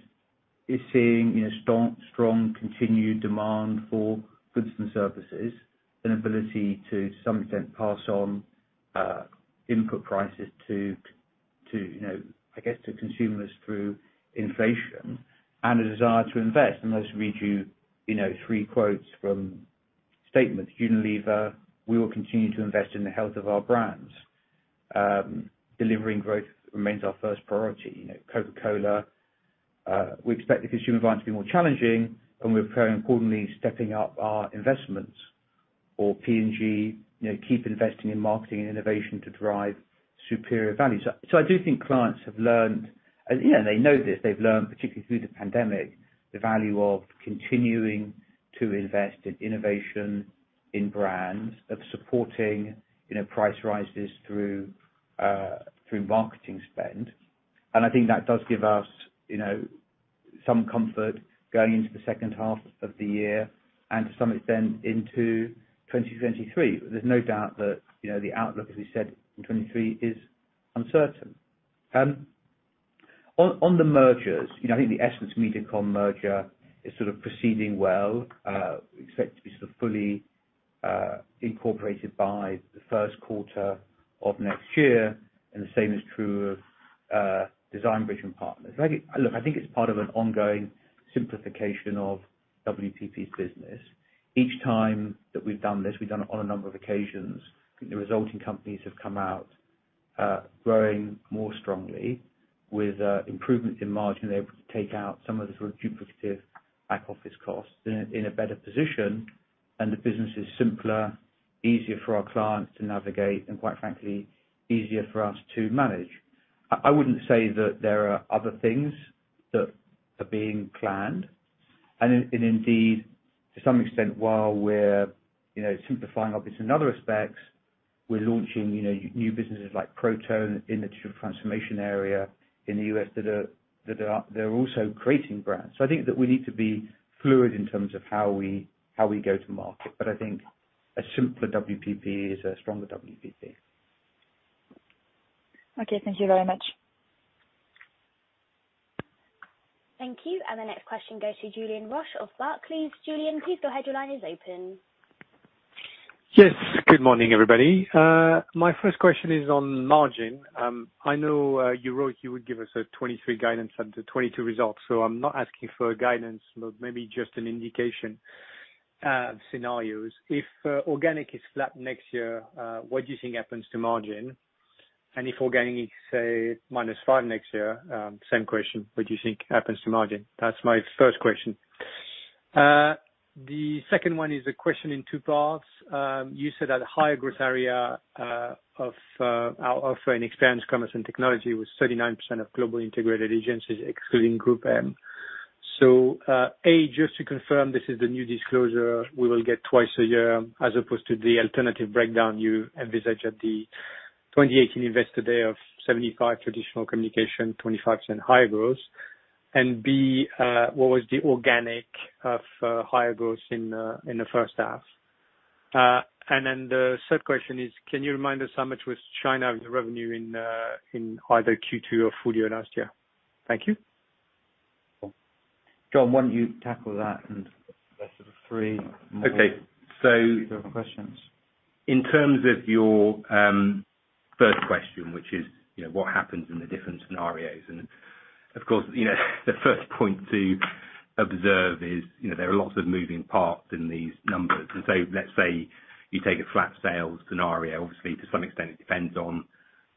seeing, you know, strong continued demand for goods and services, an ability to some extent pass on input prices to, you know, I guess, to consumers through inflation and a desire to invest. Let's read you know, three quotes from statements. Unilever, "We will continue to invest in the health of our brands. Delivering growth remains our first priority." You know, Coca-Cola, "We expect the consumer environment to be more challenging and we're very importantly stepping up our investments." Or P&G, you know, "Keep investing in marketing and innovation to drive superior value." So I do think clients have learned and, you know, they know this, they've learned particularly through the pandemic, the value of continuing to invest in innovation in brands, of supporting, you know, price rises through through marketing spend. I think that does give us, you know, some comfort going into the second half of the year and to some extent into 2023. There's no doubt that, you know, the outlook, as we said in 2023, is uncertain. On the mergers, you know, I think the EssenceMediacom merger is sort of proceeding well. Expect to be sort of fully incorporated by the first quarter of next year. The same is true of Design Bridge and Partners. Like, look, I think it's part of an ongoing simplification of WPP's business. Each time that we've done this, we've done it on a number of occasions. I think the resulting companies have come out growing more strongly with improvements in margin, able to take out some of the sort of duplicative back office costs in a better position. The business is simpler, easier for our clients to navigate, and quite frankly, easier for us to manage. I wouldn't say that there are other things that are being planned. Indeed, to some extent, while we're, you know, simplifying obviously in other aspects, we're launching, you know, new businesses like Proto in the transformation area in the U.S. that are also creating brands. I think that we need to be fluid in terms of how we go to market. I think a simpler WPP is a stronger WPP. Okay, thank you very much. Thank you. The next question goes to Julien Roch of Barclays. Julien, please go ahead. Your line is open. Yes. Good morning, everybody. My first question is on margin. I know, you wrote you would give us a 2023 guidance at the 2022 results, so I'm not asking for guidance, but maybe just an indication, scenarios. If organic is flat next year, what do you think happens to margin? And if organic is, say, -5% next year, same question, what do you think happens to margin? That's my first question. The second one is a question in two parts. You said at a higher growth area, of our offering experience, commerce and technology was 39% of global integrated agencies excluding GroupM. A, just to confirm this is the new disclosure we will get twice a year as opposed to the alternative breakdown you envisaged at the 2018 Investor Day of 75 traditional communication, 25% higher growth. B, what was the organic of higher growth in the first half? The third question is, can you remind us how much was China of the revenue in either Q2 or full year last year? Thank you. John, why don't you tackle that and the sort of three more- Okay.... different questions. In terms of your first question, which is, you know, what happens in the different scenarios and, of course, you know, the first point to observe is, you know, there are lots of moving parts in these numbers. Let's say you take a flat sales scenario. Obviously, to some extent, it depends on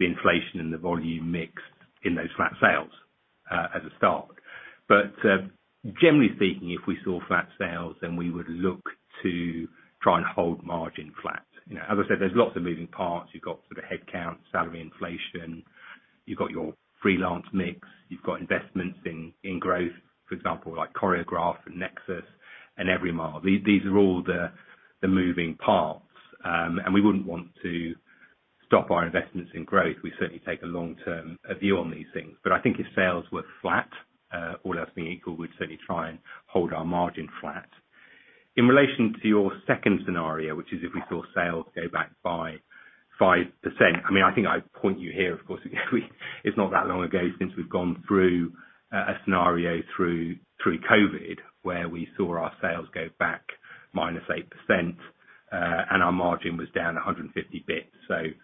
the inflation and the volume mix in those flat sales, as a start. Generally speaking, if we saw flat sales, then we would look to try and hold margin flat. You know, as I said, there's lots of moving parts. You've got sort of headcount, salary inflation, you've got your freelance mix, you've got investments in growth, for example, like Choreograph and Nexus and Everymile. These are all the moving parts. We wouldn't want to stop our investments in growth. We certainly take a long-term view on these things. I think if sales were flat, all else being equal, we'd certainly try and hold our margin flat. In relation to your second scenario, which is if we saw sales go back by 5%. I mean, I think I'd point you here, of course, it's not that long ago since we've gone through a scenario, through COVID, where we saw our sales go back -8%, and our margin was down 150 basis points.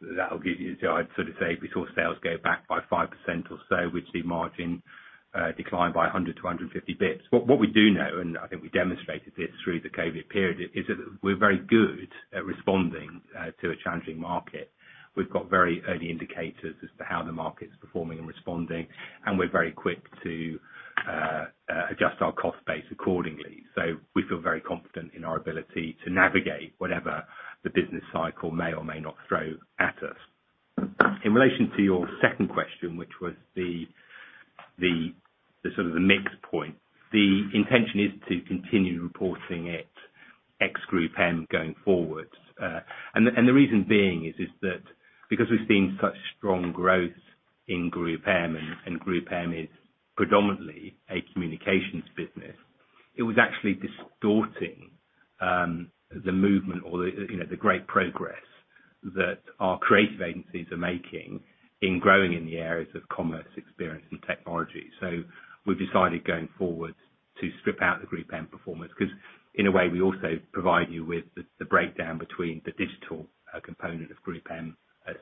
That'll give you the idea. I'd sort of say we saw sales go back by 5% or so, we'd see margin decline by 100-150 basis points. What we do know, and I think we demonstrated this through the COVID period, is that we're very good at responding to a challenging market. We've got very early indicators as to how the market's performing and responding, and we're very quick to adjust our cost base accordingly. We feel very confident in our ability to navigate whatever the business cycle may or may not throw at us. In relation to your second question, which was the sort of the mix point. The intention is to continue reporting it ex GroupM going forward. The reason being is that because we've seen such strong growth in GroupM, and GroupM is predominantly a communications business, it was actually distorting the movement or, you know, the great progress that our creative agencies are making in growing in the areas of commerce, experience and technology. We've decided going forward to strip out the GroupM performance because in a way, we also provide you with the breakdown between the digital component of GroupM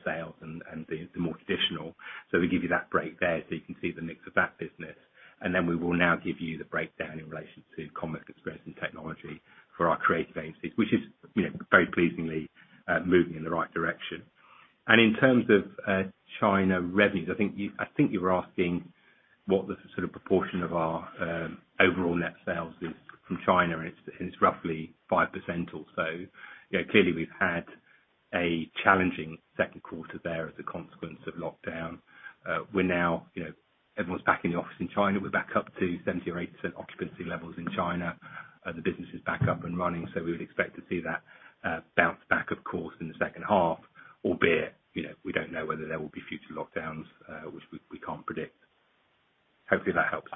sales and the more traditional. We give you that break there so you can see the mix of that business, and then we will now give you the breakdown in relation to commerce, experience and technology for our creative agencies. Which is, you know, very pleasingly moving in the right direction. In terms of China revenues, I think you were asking what the sort of proportion of our overall net sales is from China, and it's roughly 5% or so. You know, clearly we've had a challenging second quarter there as a consequence of lockdown. We're now, you know, everyone's back in the office in China. We're back up to 70% or 80% occupancy levels in China. The business is back up and running, so we would expect to see that bounce back of course in the second half, albeit, you know, we don't know whether there will be future lockdowns, which we can't predict. Hopefully that helps.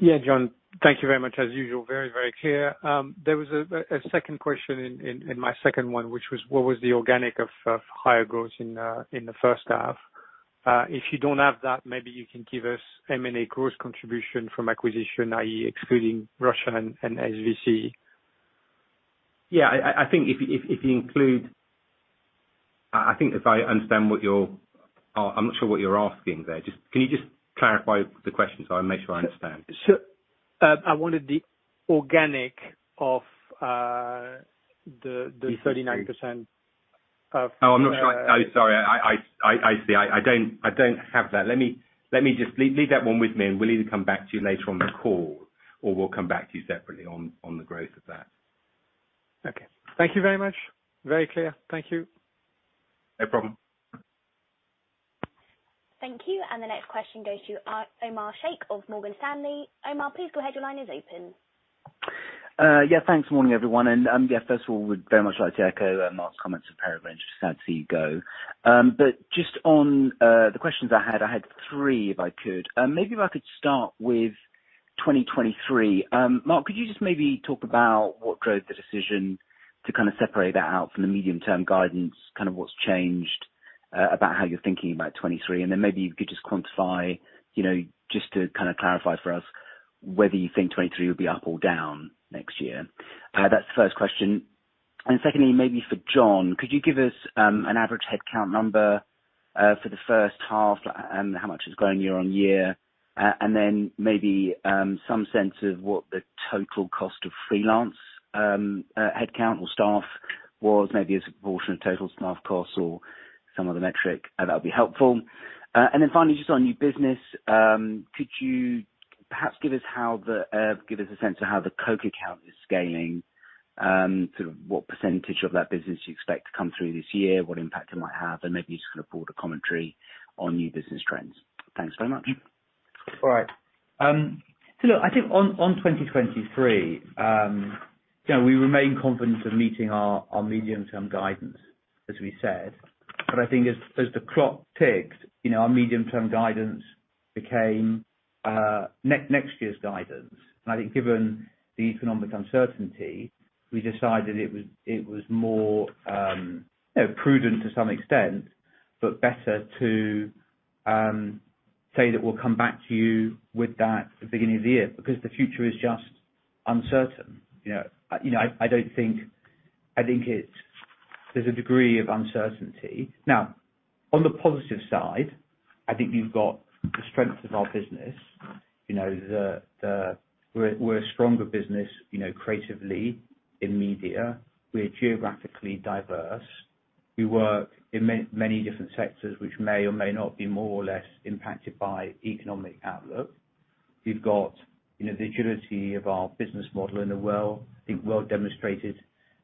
Yeah, John, thank you very much. As usual, very, very clear. There was a second question in my second one, which was what was the organic of higher growth in the first half? If you don't have that, maybe you can give us M&A growth contribution from acquisition, i.e. excluding Russia and SVC. I'm not sure what you're asking there. Can you just clarify the question so I make sure I understand? Sure. I wanted the organic of the 39% of- Oh, I'm not sure. Oh, sorry, I see. I don't have that. Let me just leave that one with me and we'll either come back to you later on the call or we'll come back to you separately on the growth of that. Okay. Thank you very much. Very clear. Thank you. No problem. Thank you. The next question goes to Omar Sheikh of Morgan Stanley. Omar, please go ahead. Your line is open. Thanks. Morning everyone. First of all we'd very much like to echo Mark's comments, apparently, we're just sad to see you go. Just on the questions, I had three if I could. Maybe if I could start with 2023. Mark, could you just maybe talk about what drove the decision to kind of separate that out from the medium-term guidance, kind of what's changed about how you're thinking about 2023? Then maybe you could just quantify, you know, just to kind of clarify for us whether you think 2023 will be up or down next year. That's the first question. Secondly, maybe for John, could you give us an average headcount number for the first half and how much it's grown year on year? Maybe some sense of what the total cost of freelance headcount or staff was, maybe as a proportion of total staff costs or some other metric that would be helpful. Finally, just on new business, could you perhaps give us a sense of how the Coca-Cola account is scaling, sort of what percentage of that business you expect to come through this year, what impact it might have, and maybe just kind of broader commentary on new business trends. Thanks so much. All right. Look, I think on 2023, you know, we remain confident of meeting our medium-term guidance, as we said. I think as the clock ticks, you know, our medium-term guidance became next year's guidance. I think given the economic uncertainty, we decided it was more, you know, prudent to some extent. Better to say that we'll come back to you with that at the beginning of the year because the future is just uncertain. You know, I think it's, there's a degree of uncertainty. Now, on the positive side, I think you've got the strength of our business. You know, we're a stronger business, you know, creatively in media. We're geographically diverse. We work in many different sectors, which may or may not be more or less impacted by economic outlook. We've got, you know, the agility of our business model and, I think, well-demonstrated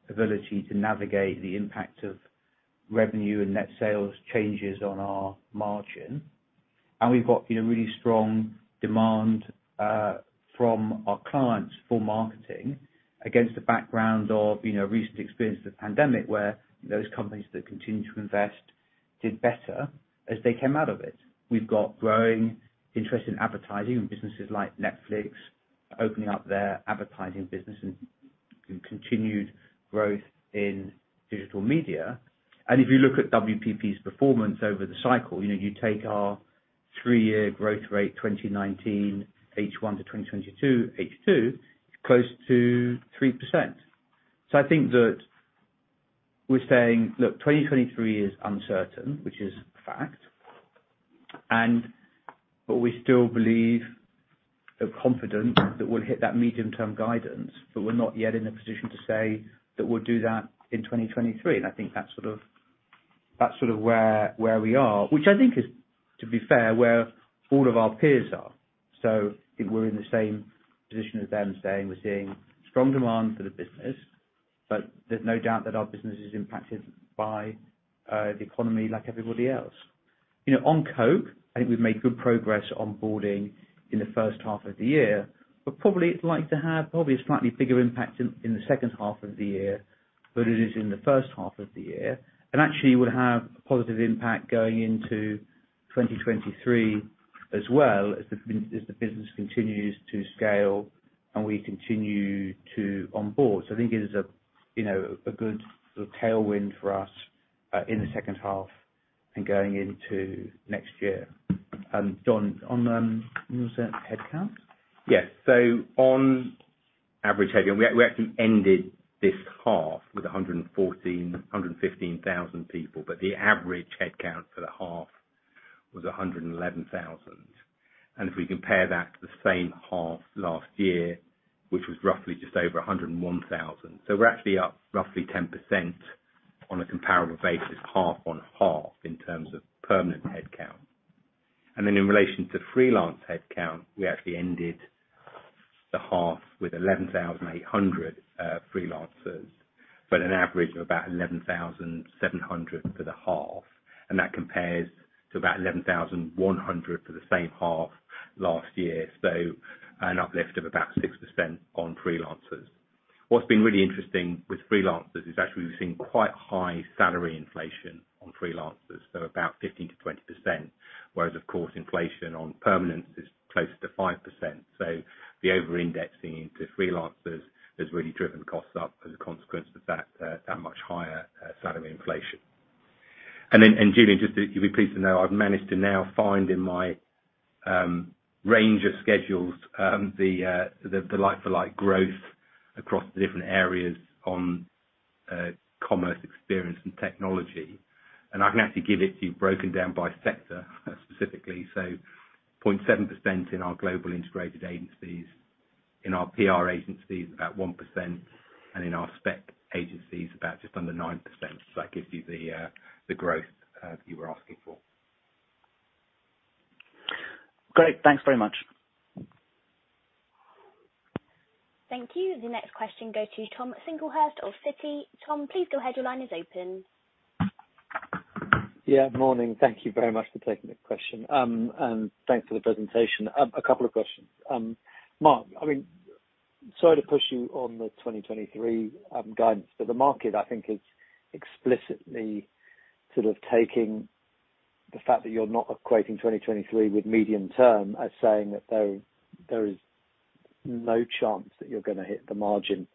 ability to navigate the impact of revenue and net sales changes on our margin. We've got, you know, really strong demand from our clients for marketing against the background of, you know, recent experience of the pandemic, where those companies that continued to invest did better as they came out of it. We've got growing interest in advertising and businesses like Netflix opening up their advertising business and continued growth in digital media. If you look at WPP's performance over the cycle, you know, you take our three-year growth rate, 2019, H1 to 2022, H2, it's close to 3%. I think that we're saying, "Look, 2023 is uncertain," which is a fact. We still believe with confidence that we'll hit that medium-term guidance, but we're not yet in a position to say that we'll do that in 2023. I think that's sort of where we are, which I think is, to be fair, where all of our peers are. I think we're in the same position as them, saying we're seeing strong demand for the business, but there's no doubt that our business is impacted by the economy like everybody else. You know, on Coca-Cola, I think we've made good progress onboarding in the first half of the year, but probably it's likely to have a slightly bigger impact in the second half of the year than it is in the first half of the year. Actually, it will have a positive impact going into 2023 as well, as the business continues to scale and we continue to onboard. I think it is a, you know, a good sort of tailwind for us in the second half and going into next year. And, on what was that? Headcount? Yes. On average headcount, we actually ended this half with 114,000-115,000 people. The average headcount for the half was 111,000. If we compare that to the same half last year, which was roughly just over 101,000. We're actually up roughly 10% on a comparable basis, half-on-half, in terms of permanent headcount. In relation to freelance headcount, we actually ended the half with 11,800 freelancers, but an average of about 11,700 for the half. That compares to about 11,100 for the same half last year. An uplift of about 6% on freelancers. What's been really interesting with freelancers is actually we've seen quite high salary inflation on freelancers, so about 15%-20%. Whereas of course, inflation on permanents is closer to 5%. The over-indexing into freelancers has really driven costs up as a consequence of that much higher salary inflation. Julien, just you'll be pleased to know I've managed to now find in my range of schedules, the like-for-like growth across the different areas on, commerce experience and technology. I can actually give it to you broken down by sector specifically. 0.7% in our global integrated agencies, in our PR agencies about 1%, and in our specialist agencies about just under 9%. That gives you the growth that you were asking for. Great. Thanks very much. Thank you. The next question goes to Tom Singlehurst of Citi. Tom, please go ahead. Your line is open. Yeah, morning. Thank you very much for taking the question. And thanks for the presentation. A couple of questions. Mark, I mean, sorry to push you on the 2023 guidance, but the market, I think, is explicitly sort of taking the fact that you're not equating 2023 with medium-term as saying that there is no chance that you're gonna hit the margin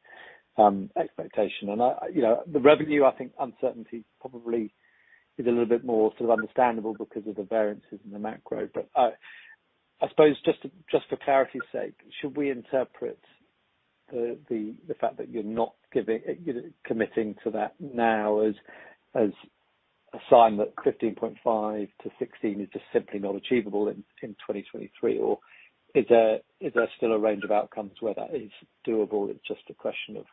expectation. You know, the revenue, I think uncertainty probably is a little bit more sort of understandable because of the variances in the macro. I suppose just for clarity's sake, should we interpret the fact that you're not giving committing to that now as a sign that 15.5%-16% is just simply not achievable in 2023? Is there still a range of outcomes where that is doable? It's just a question of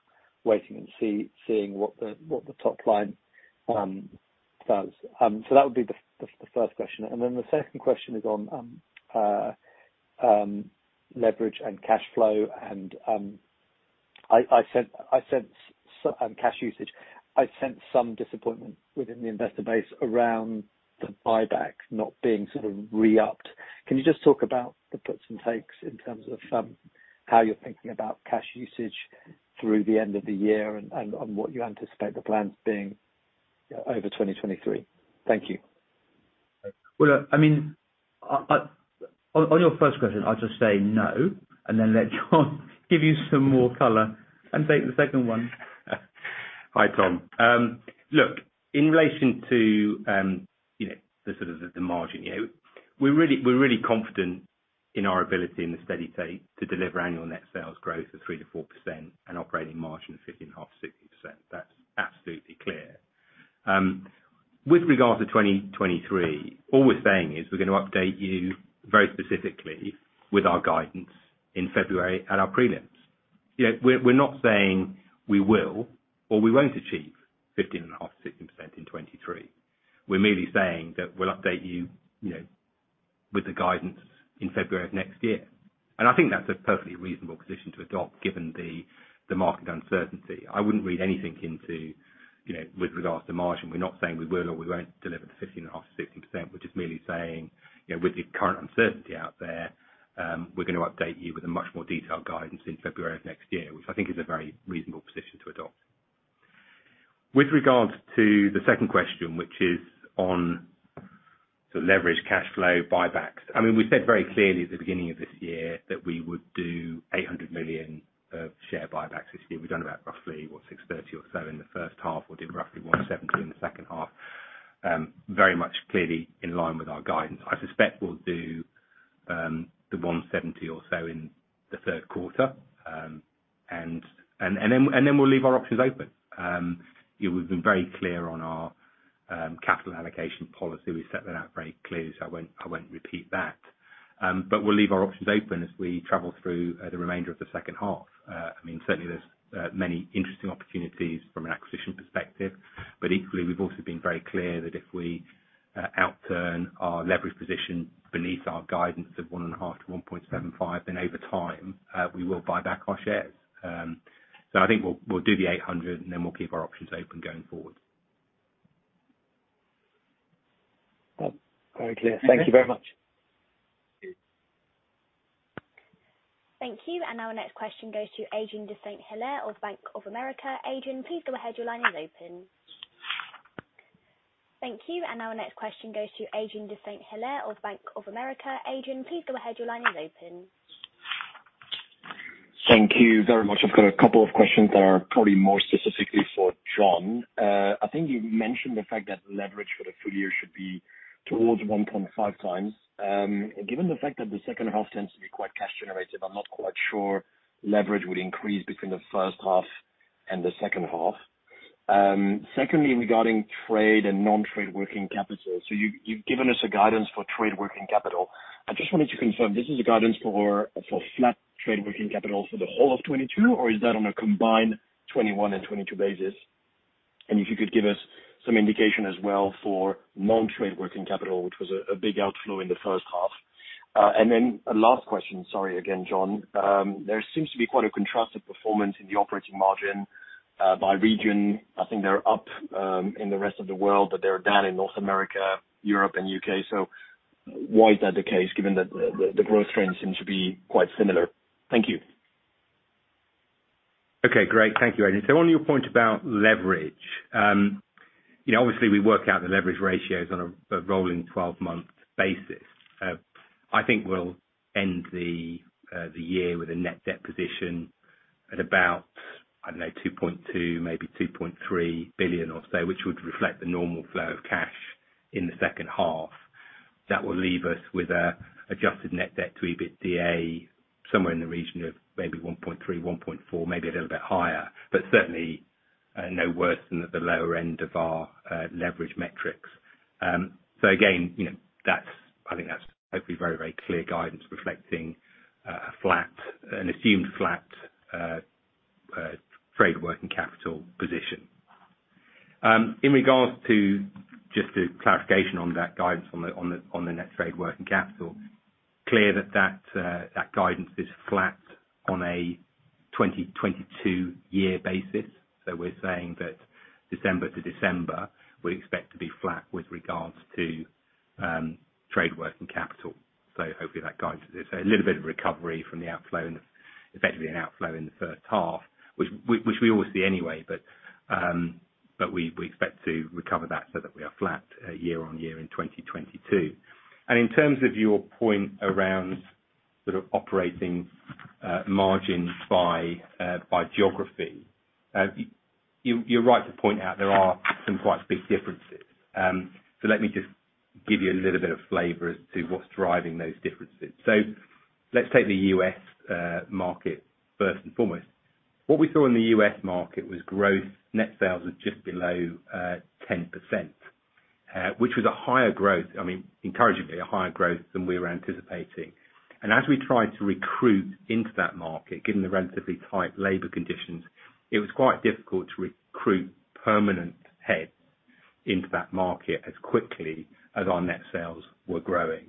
waiting and seeing what the top line does? That would be the first question. Then the second question is on leverage and cash flow and I sense cash usage. I sense some disappointment within the investor base around the buyback not being sort of re-upped. Can you just talk about the puts and takes in terms of how you're thinking about cash usage through the end of the year and what you anticipate the plans being over 2023? Thank you. Well, I mean, I--On your first question, I'll just say no, and then let John give you some more color and take the second one. Hi, Tom. Look, in relation to, you know, the sort of the margin, you know, we're really confident in our ability in the steady state to deliver annual net sales growth of 3%-4% and operating margin of 15.5%-16%. That's absolutely clear. With regards to 2023, all we're saying is we're gonna update you very specifically with our guidance in February at our prelims. You know, we're not saying we will or we won't achieve 15.5%-16% in 2023. We're merely saying that we'll update you know, with the guidance in February of next year. I think that's a perfectly reasonable position to adopt, given the market uncertainty. I wouldn't read anything into, you know, with regards to margin. We're not saying we will or we won't deliver the 15.5%-60%. We're just merely saying, you know, with the current uncertainty out there, we're gonna update you with a much more detailed guidance in February of next year, which I think is a very reasonable position to adopt. With regards to the second question, which is on the leverage cash flow buybacks. I mean, we said very clearly at the beginning of this year that we would do 800 million of share buybacks this year. We've done about roughly 630 million or so in the first half. We did roughly 170 million in the second half. Very much clearly in line with our guidance. I suspect we'll do the 170 million or so in the third quarter. And then we'll leave our options open. You know, we've been very clear on our capital allocation policy. We set that out very clearly, so I won't repeat that. We'll leave our options open as we travel through the remainder of the second half. I mean, certainly there's many interesting opportunities from an acquisition perspective, but equally we've also been very clear that if we outturn our leverage position beneath our guidance of 1.5-1.75, then over time we will buy back our shares. I think we'll do the 800 million, and then we'll keep our options open going forward. Very clear. Thank you very much. Mm-hmm. Thank you. Our next question goes to Adrien de Saint Hilaire of Bank of America. Adrien, please go ahead. Your line is open. Thank you very much. I've got a couple of questions that are probably more specifically for John. I think you mentioned the fact that leverage for the full year should be towards 1.5x. Given the fact that the second half tends to be quite cash generative, I'm not quite sure leverage would increase between the first half and the second half. Secondly, regarding trade and non-trade working capital. You've given us a guidance for trade working capital. I just wanted to confirm, this is a guidance for flat trade working capital for the whole of 2022, or is that on a combined 2021 and 2022 basis? If you could give us some indication as well for non-trade working capital, which was a big outflow in the first half. Then a last question. Sorry again, John. There seems to be quite a contrasted performance in the operating margin by region. I think they're up in the rest of the world, but they're down in North America, Europe and U.K. Why is that the case, given that the growth trends seem to be quite similar? Thank you. Okay. Great. Thank you, Adrien. On your point about leverage, you know, obviously we work out the leverage ratios on a rolling twelve-month basis. I think we'll end the year with a net debt position at about, I don't know, 2.2 billion, maybe 2.3 billion or so, which would reflect the normal flow of cash in the second half. That will leave us with an adjusted net debt-to-EBITDA somewhere in the region of maybe 1.3, 1.4, maybe a little bit higher, but certainly no worse than at the lower end of our leverage metrics. So again, you know, that's I think that's hopefully very, very clear guidance reflecting an assumed flat trade working capital position. In regards to just the clarification on that guidance on the net trade working capital, clear that guidance is flat on a 2022 year basis. We're saying that December to December, we expect to be flat with regards to trade working capital. Hopefully that guides it. There's a little bit of recovery from the outflow in the first half, essentially an outflow in the first half, which we always see anyway, but we expect to recover that so that we are flat year on year in 2022. In terms of your point around sort of operating margins by geography, you're right to point out there are some quite big differences. Let me just give you a little bit of flavor as to what's driving those differences. Let's take the U.S. market first and foremost. What we saw in the U.S. market was growth. Net sales was just below 10%, which was a higher growth, I mean, encouragingly, a higher growth than we were anticipating. As we tried to recruit into that market, given the relatively tight labor conditions, it was quite difficult to recruit permanent heads into that market as quickly as our net sales were growing.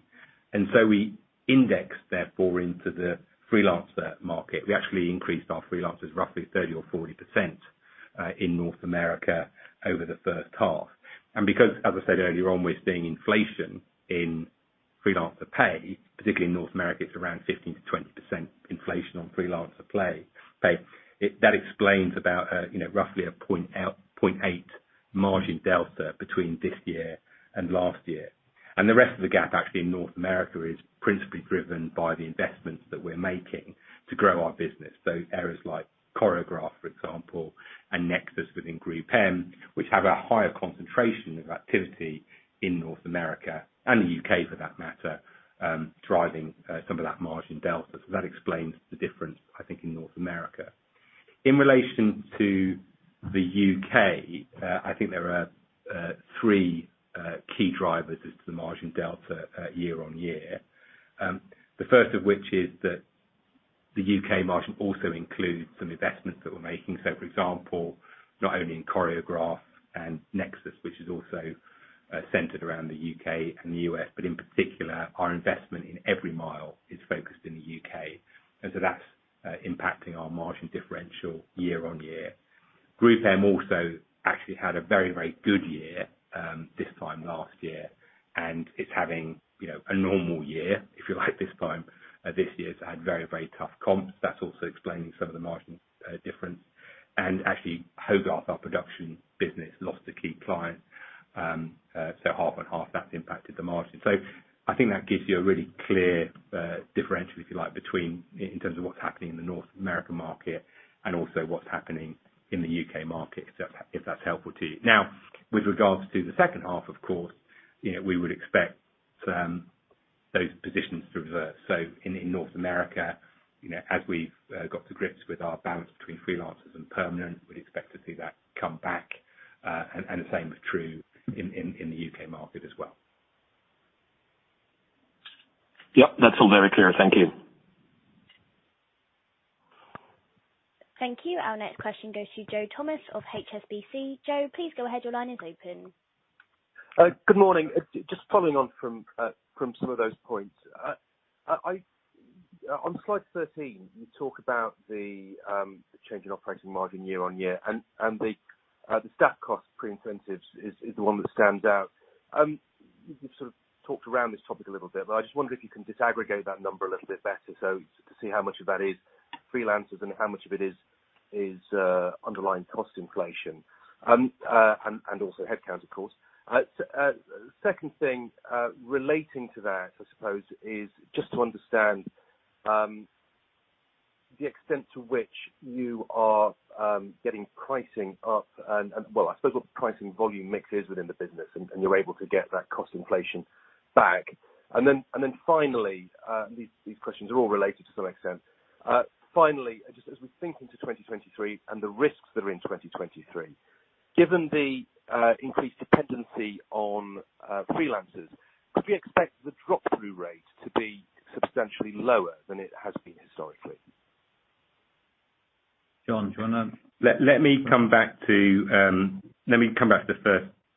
We indexed therefore into the freelancer market. We actually increased our freelancers roughly 30% or 40% in North America over the first half. Because, as I said earlier on, we're seeing inflation in freelancer pay, particularly in North America, it's around 15%-20% inflation on freelancer pay. That explains about roughly 0.8% margin delta between this year and last year. The rest of the gap actually in North America is principally driven by the investments that we're making to grow our business. Areas like Choreograph, for example, and Nexus within GroupM, which have a higher concentration of activity in North America and the U.K. for that matter, driving some of that margin delta. That explains the difference, I think in North America. In relation to the U.K., I think there are three key drivers as to the margin delta year on year. The first of which is that the U.K. margin also includes some investments that we're making. For example, not only in Choreograph and Nexus which is also centered around the U.K. and the U.S., but in particular our investment in Everymile is focused in the U.K. That's impacting our margin differential year-on-year. GroupM also actually had a very, very good year this time last year, and it's having, you know, a normal year if you like, this time. This year it's had very, very tough comps. That's also explaining some of the margin difference. Actually Hogarth, our production business lost a key client, so half-on-half that's impacted the margin. I think that gives you a really clear differential if you like, between in terms of what's happening in the North American market and also what's happening in the U.K. market, so if that's helpful to you. Now with regards to the second half, of course, you know, we would expect those positions to reverse. In North America, you know, as we've got to grips with our balance between freelancers and permanent, we'd expect to see that come back. The same is true in the U.K. market as well. Yep. That's all very clear. Thank you. Thank you. Our next question goes to Joe Thomas of HSBC. Joe, please go ahead. Your line is open. Good morning. Just following on from some of those points. On slide 13 you talk about the change in operating margin year-on-year and the staff cost pre-incentives is the one that stands out. You sort of talked around this topic a little bit, but I just wonder if you can disaggregate that number a little bit better, so to see how much of that is freelancers and how much of it is underlying cost inflation and also headcount of course. The second thing relating to that I suppose is just to understand the extent to which you are getting pricing up and well, I suppose what pricing volume mix is within the business and you're able to get that cost inflation back. Finally, these questions are all related to some extent. Finally, just as we think into 2023 and the risks that are in 2023, given the increased dependency on freelancers, could we expect the drop through rate to be substantially lower than it has been historically? Joe, let me come back to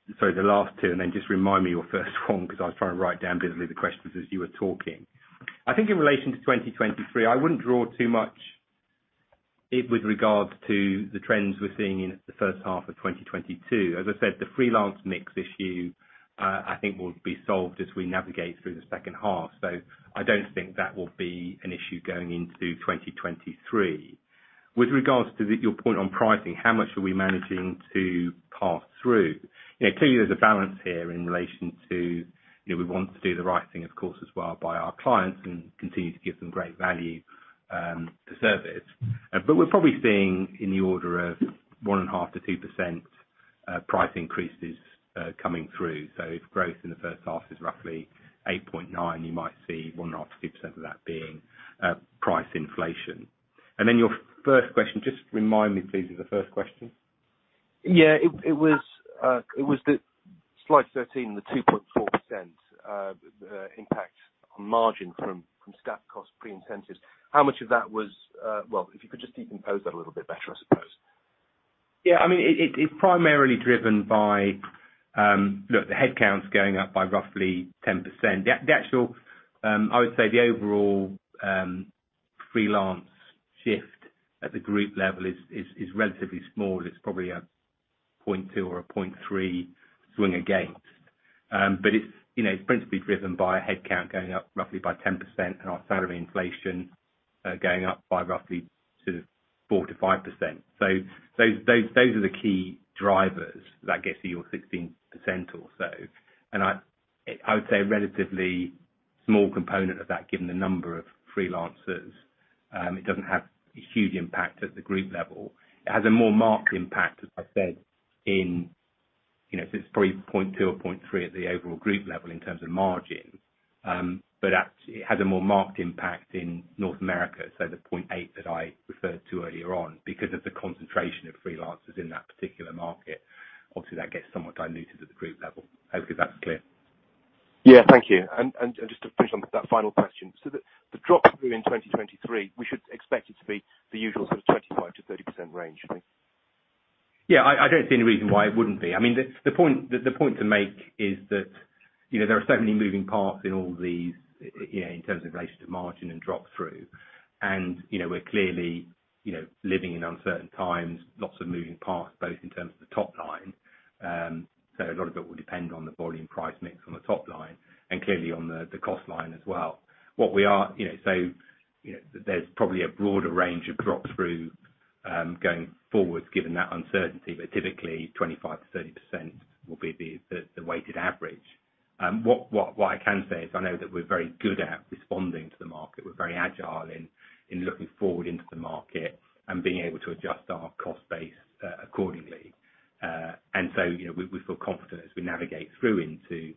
the last two, and then just remind me your first one because I was trying to write down the questions as you were talking. I think in relation to 2023, I wouldn't draw too much from it with regards to the trends we're seeing in the first half of 2022. As I said, the freelance mix issue, I think will be solved as we navigate through the second half. I don't think that will be an issue going into 2023. With regards to your point on pricing, how much are we managing to pass through? You know, clearly there's a balance here in relation to, you know, we want to do the right thing, of course, as well by our clients and continue to give them great value for service. We're probably seeing in the order of 1.5%-2% price increases coming through. If growth in the first half is roughly 8.9%, you might see 1.5%-2% of that being price inflation. Your first question, just remind me please of the first question. Yeah. It was the slide 13, the 2.4% impact on margin from staff cost pre-incentives. How much of that was, well, if you could just decompose that a little bit better, I suppose. Yeah. I mean, it's primarily driven by the headcounts going up by roughly 10%. The actual, I would say the overall freelance shift at the group level is relatively small. It's probably a 0.2 or a 0.3 swing against. But it's, you know, principally driven by headcount going up roughly by 10% and our salary inflation going up by roughly sort of 4%-5%. Those are the key drivers that gets to your 16% or so. I would say relatively small component of that, given the number of freelancers, it doesn't have a huge impact at the group level. It has a more marked impact, as I said, in, you know, so it's probably 0.2% or 0.3% at the overall group level in terms of margin. But it has a more marked impact in North America, so the 0.8% that I referred to earlier on, because of the concentration of freelancers in that particular market, obviously that gets somewhat diluted at the group level. I hope that's clear. Yeah, thank you. Just to push on that final question. The drop through in 2023, we should expect it to be the usual sort of 25%-30% range, right? Yeah, I don't see any reason why it wouldn't be. I mean, the point to make is that, you know, there are so many moving parts in all these, you know, in terms of relation to margin and drop through. You know, we're clearly, you know, living in uncertain times, lots of moving parts, both in terms of the top line. So a lot of it will depend on the volume price mix on the top line and clearly on the cost line as well. You know, there's probably a broader range of drop through. Going forward given that uncertainty, but typically 25%-30% will be the weighted average. What I can say is I know that we're very good at responding to the market. We're very agile in looking forward into the market and being able to adjust our cost base accordingly. You know, we feel confident as we navigate through into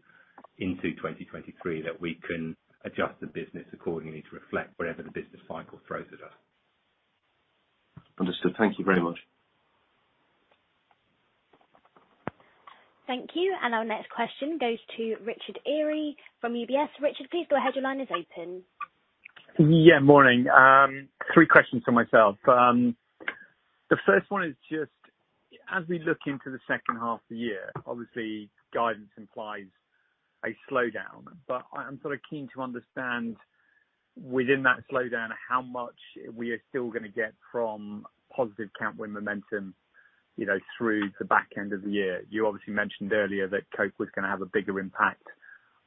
2023 that we can adjust the business accordingly to reflect whatever the business cycle throws at us. Understood. Thank you very much. Thank you. Our next question goes to Richard Eary from UBS. Richard, please go ahead. Your line is open. Yeah, morning. Three questions from myself. The first one is just as we look into the second half of the year, obviously guidance implies a slowdown, but I'm sort of keen to understand within that slowdown, how much we are still gonna get from positive account win momentum, you know, through the back end of the year. You obviously mentioned earlier that Coca-Cola was gonna have a bigger impact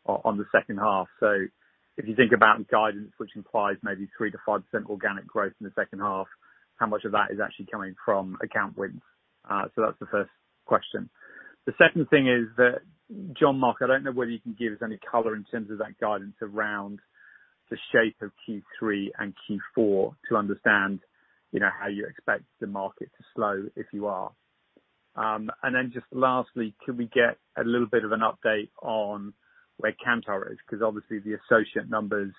on the second half. If you think about guidance, which implies maybe 3%-5% organic growth in the second half, how much of that is actually coming from account wins? That's the first question. The second thing is that, John, Mark, I don't know whether you can give us any color in terms of that guidance around the shape of Q3 and Q4 to understand, you know, how you expect the market to slow, if you are. Then just lastly, can we get a little bit of an update on where Kantar is? Because obviously the associate numbers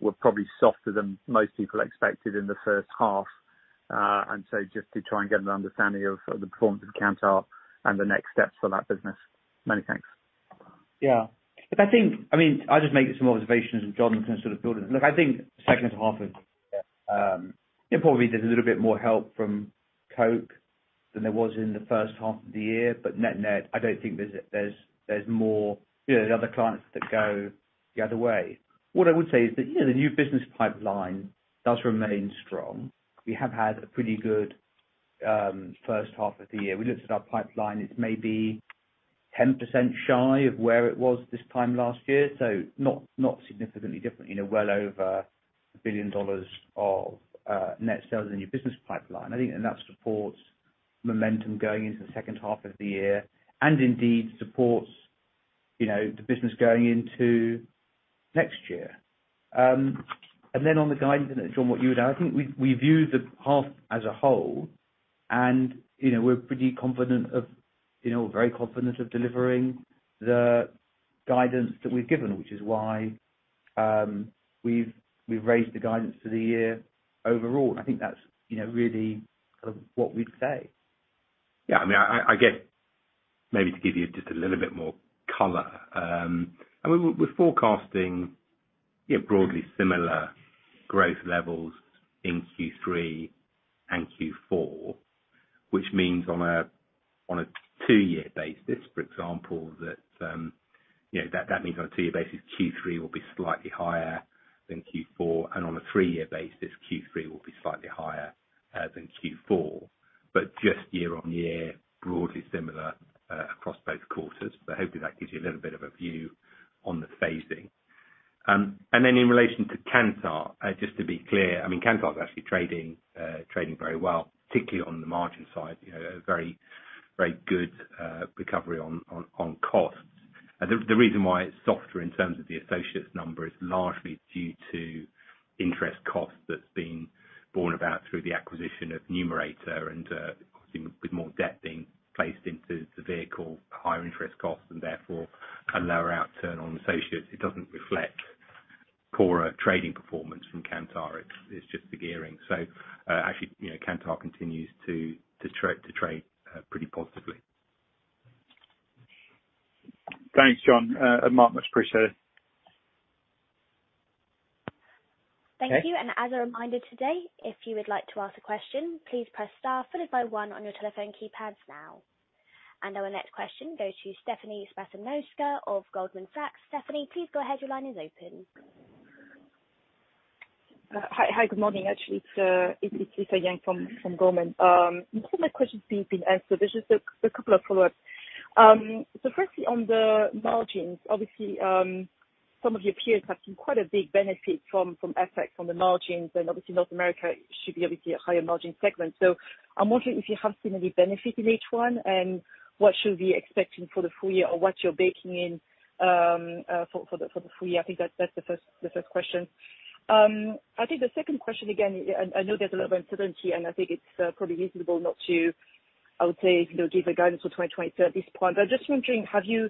were probably softer than most people expected in the first half. So just to try and get an understanding of the performance of Kantar and the next steps for that business. Many thanks. Yeah. Look, I think, I mean, I'll just make some observations and John can sort of build on. Look, I think second half, probably there's a little bit more help from Coca-Cola than there was in the first half of the year. But net-net, I don't think there's more, you know, other clients that go the other way. What I would say is that, you know, the new business pipeline does remain strong. We have had a pretty good first half of the year. We looked at our pipeline, it's maybe 10% shy of where it was this time last year, so not significantly different. You know, well over $1 billion of net sales in the new business pipeline. I think that supports momentum going into the second half of the year and indeed supports, you know, the business going into next year. On the guidance, I don't know, John, what you would add. I think we view the half as a whole and, you know, we're pretty confident of, you know, very confident of delivering the guidance that we've given, which is why, we've raised the guidance for the year overall. I think that's, you know, really kind of what we'd say. Yeah. I mean, I get maybe to give you just a little bit more color. I mean, we're forecasting, you know, broadly similar growth levels in Q3 and Q4, which means on a two-year basis, for example, that means on a two-year basis, Q3 will be slightly higher than Q4, and on a three-year basis, Q3 will be slightly higher than Q4. Just year-on-year, broadly similar across both quarters. Hopefully that gives you a little bit of a view on the phasing. In relation to Kantar, just to be clear, I mean, Kantar is actually trading very well, particularly on the margin side, you know, a very, very good recovery on costs. The reason why it's softer in terms of the associates number is largely due to interest costs that's been brought about through the acquisition of Numerator and causing a bit more debt being placed into the vehicle, higher interest costs and therefore a lower outturn on associates. It doesn't reflect poorer trading performance from Kantar. It's just the gearing. Actually, you know, Kantar continues to trade pretty positively. Thanks, John, and Mark. Much appreciated. Thank you. Okay. As a reminder today, if you would like to ask a question, please press star followed by one on your telephone keypads now. Our next question goes to Stephanie <audio distortion> of Goldman Sachs. Stephanie, please go ahead. Your line is open. Hi, good morning. Actually, it's Lisa Yang from Goldman. Most of my questions have been answered. There's just a couple of follow-ups. So firstly, on the margins, obviously, some of your peers have seen quite a big benefit from FX on the margins, and obviously North America should be obviously a higher margin segment. So I'm wondering if you have seen any benefit in H1, and what should we be expecting for the full year or what you're baking in for the full year. I think that's the first question. I think the second question again, and I know there's a lot of uncertainty and I think it's probably reasonable not to, I would say, you know, give guidance for 2023 at this point. I'm just wondering, are you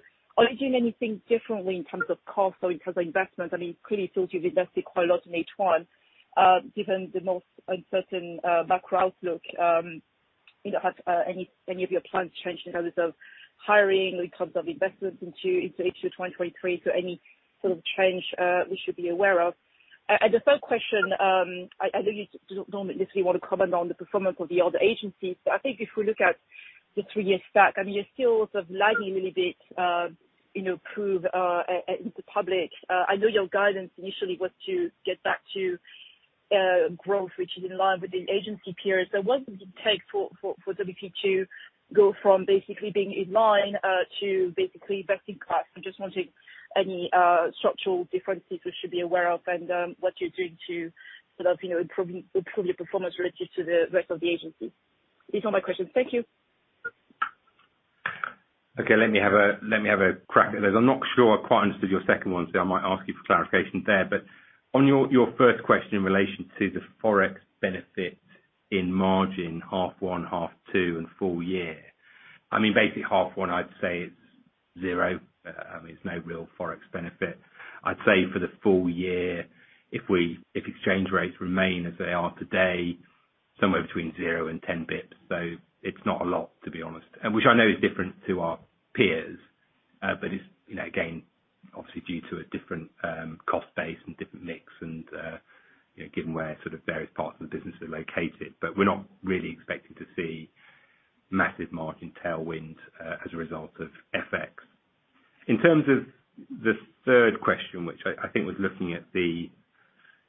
doing anything differently in terms of costs or in terms of investments? I mean, clearly it's sort of invested quite a lot in H1, given the most uncertain background outlook. You know, have any of your plans changed in terms of hiring, in terms of investments into H2 2023? Any sort of change we should be aware of? And the third question, I know you don't necessarily want to comment on the performance of the other agencies, but I think if we look at the three-year stack, I mean, you're still sort of lagging a little bit, you know, behind your peers. I know your guidance initially was to get back to growth, which is in line with the agency peers. What does it take for WPP to go from basically being in line to basically best in class? I'm just wondering any structural differences we should be aware of and what you're doing to sort of improve your performance relative to the rest of the agencies. These are my questions. Thank you. Okay, let me have a crack at those. I'm not sure I quite understood your second one, so I might ask you for clarification there. On your first question in relation to the Forex benefit in margin half one, half two and full year, I mean, basically half one I'd say it's zero. I mean, it's no real Forex benefit. I'd say for the full year, if exchange rates remain as they are today, somewhere between zero and ten basis points. It's not a lot, to be honest, and which I know is different to our peers, but it's, you know, again, obviously due to a different cost base and different mix and, you know, given where sort of various parts of the business are located. We're not really expecting to see massive margin tailwinds as a result of FX. In terms of the third question, which I think was looking at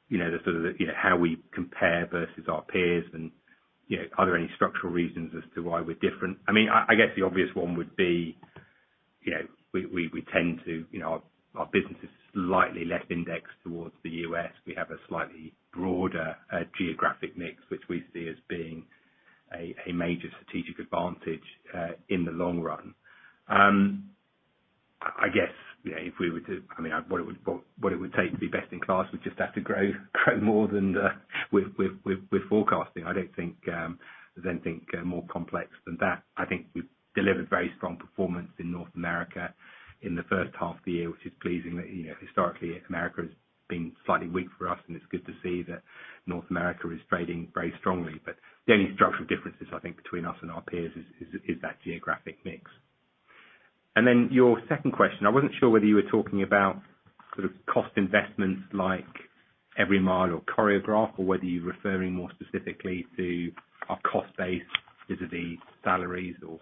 you know the sort of how we compare versus our peers and you know are there any structural reasons as to why we're different? I mean I guess the obvious one would be you know we tend to you know our business is slightly less indexed towards the U.S. We have a slightly broader geographic mix, which we see as being a major strategic advantage in the long run. I guess you know I mean what it would take to be best in class, we just have to grow more than we're forecasting. I don't think more complex than that. I think we've delivered very strong performance in North America in the first half of the year, which is pleasing. That you know, historically America has been slightly weak for us, and it's good to see that North America is trading very strongly. The only structural differences, I think, between us and our peers is that geographic mix. Then your second question, I wasn't sure whether you were talking about sort of cost investments like Everymile or Choreograph, or whether you're referring more specifically to our cost base, vis-à-vis salaries or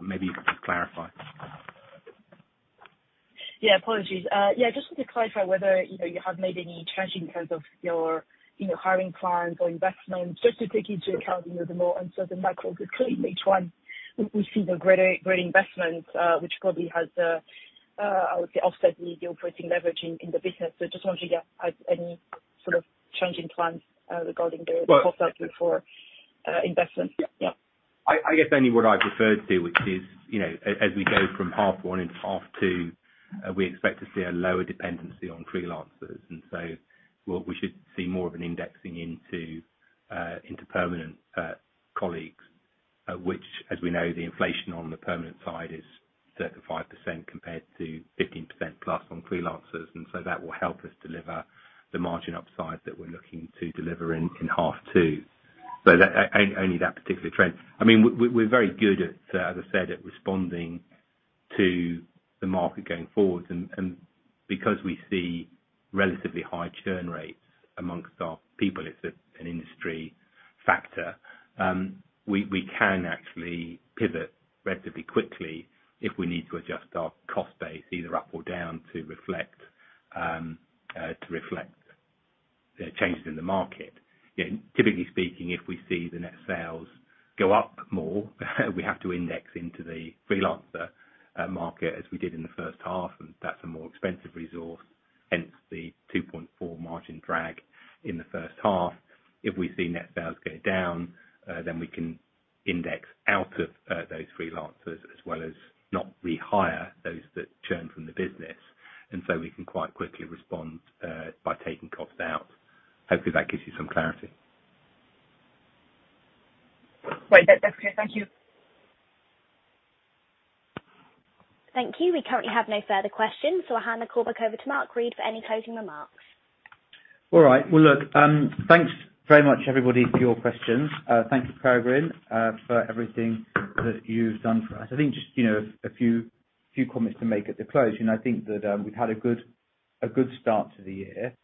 maybe you can just clarify. Yeah, apologies. Just want to clarify whether, you know, you have made any change in terms of your, you know, hiring plans or investments, just to take into account, you know, the more challenging macroeconomic environment in which we see the greater investments, which probably has, I would say, offset the operating leverage in the business. I just wanted to get any sort of change in plans regarding the- Well-... cost outlook for, investment. Yeah.... I guess only what I referred to, which is, you know, as we go from half one into half two, we expect to see a lower dependency on freelancers. We should see more of an indexing into permanent colleagues, which as we know, the inflation on the permanent side is 35% compared to 15% plus on freelancers. That will help us deliver the margin upside that we're looking to deliver in half two. Only that particular trend. I mean, we're very good at, as I said, responding to the market going forward. Because we see relatively high churn rates among our people, it's an industry factor, we can actually pivot relatively quickly if we need to adjust our cost base either up or down to reflect the changes in the market. You know, typically speaking, if we see the net sales go up more, we have to index into the freelancer market as we did in the first half, and that's a more expensive resource, hence the 2.4% margin drag in the first half. If we see net sales go down, then we can index out of those freelancers as well as not rehire those that churn from the business. We can quite quickly respond by taking costs out. Hopefully that gives you some clarity. Great. That's clear. Thank you. Thank you. We currently have no further questions, so I'll hand the call back over to Mark Read for any closing remarks. All right. Well, look, thanks very much everybody for your questions. Thank you, Peregrine, for everything that you've done for us. I think just, you know, a few comments to make at the close. You know, I think that we've had a good start to the year.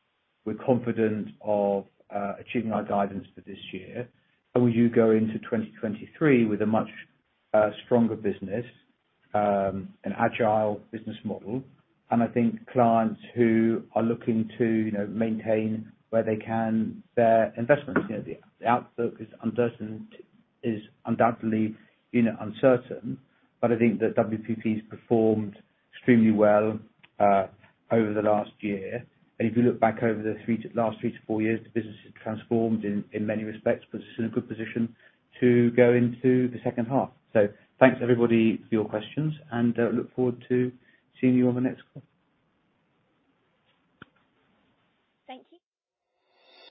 We're confident of achieving our guidance for this year and we do go into 2023 with a much stronger business, an agile business model. I think clients who are looking to, you know, maintain where they can their investments. You know, the outlook is undoubtedly uncertain, but I think that WPP has performed extremely well over the last year. If you look back over the last three to four years, the business has transformed in many respects, puts us in a good position to go into the second half. Thanks everybody for your questions, and look forward to seeing you on the next call. Thank you.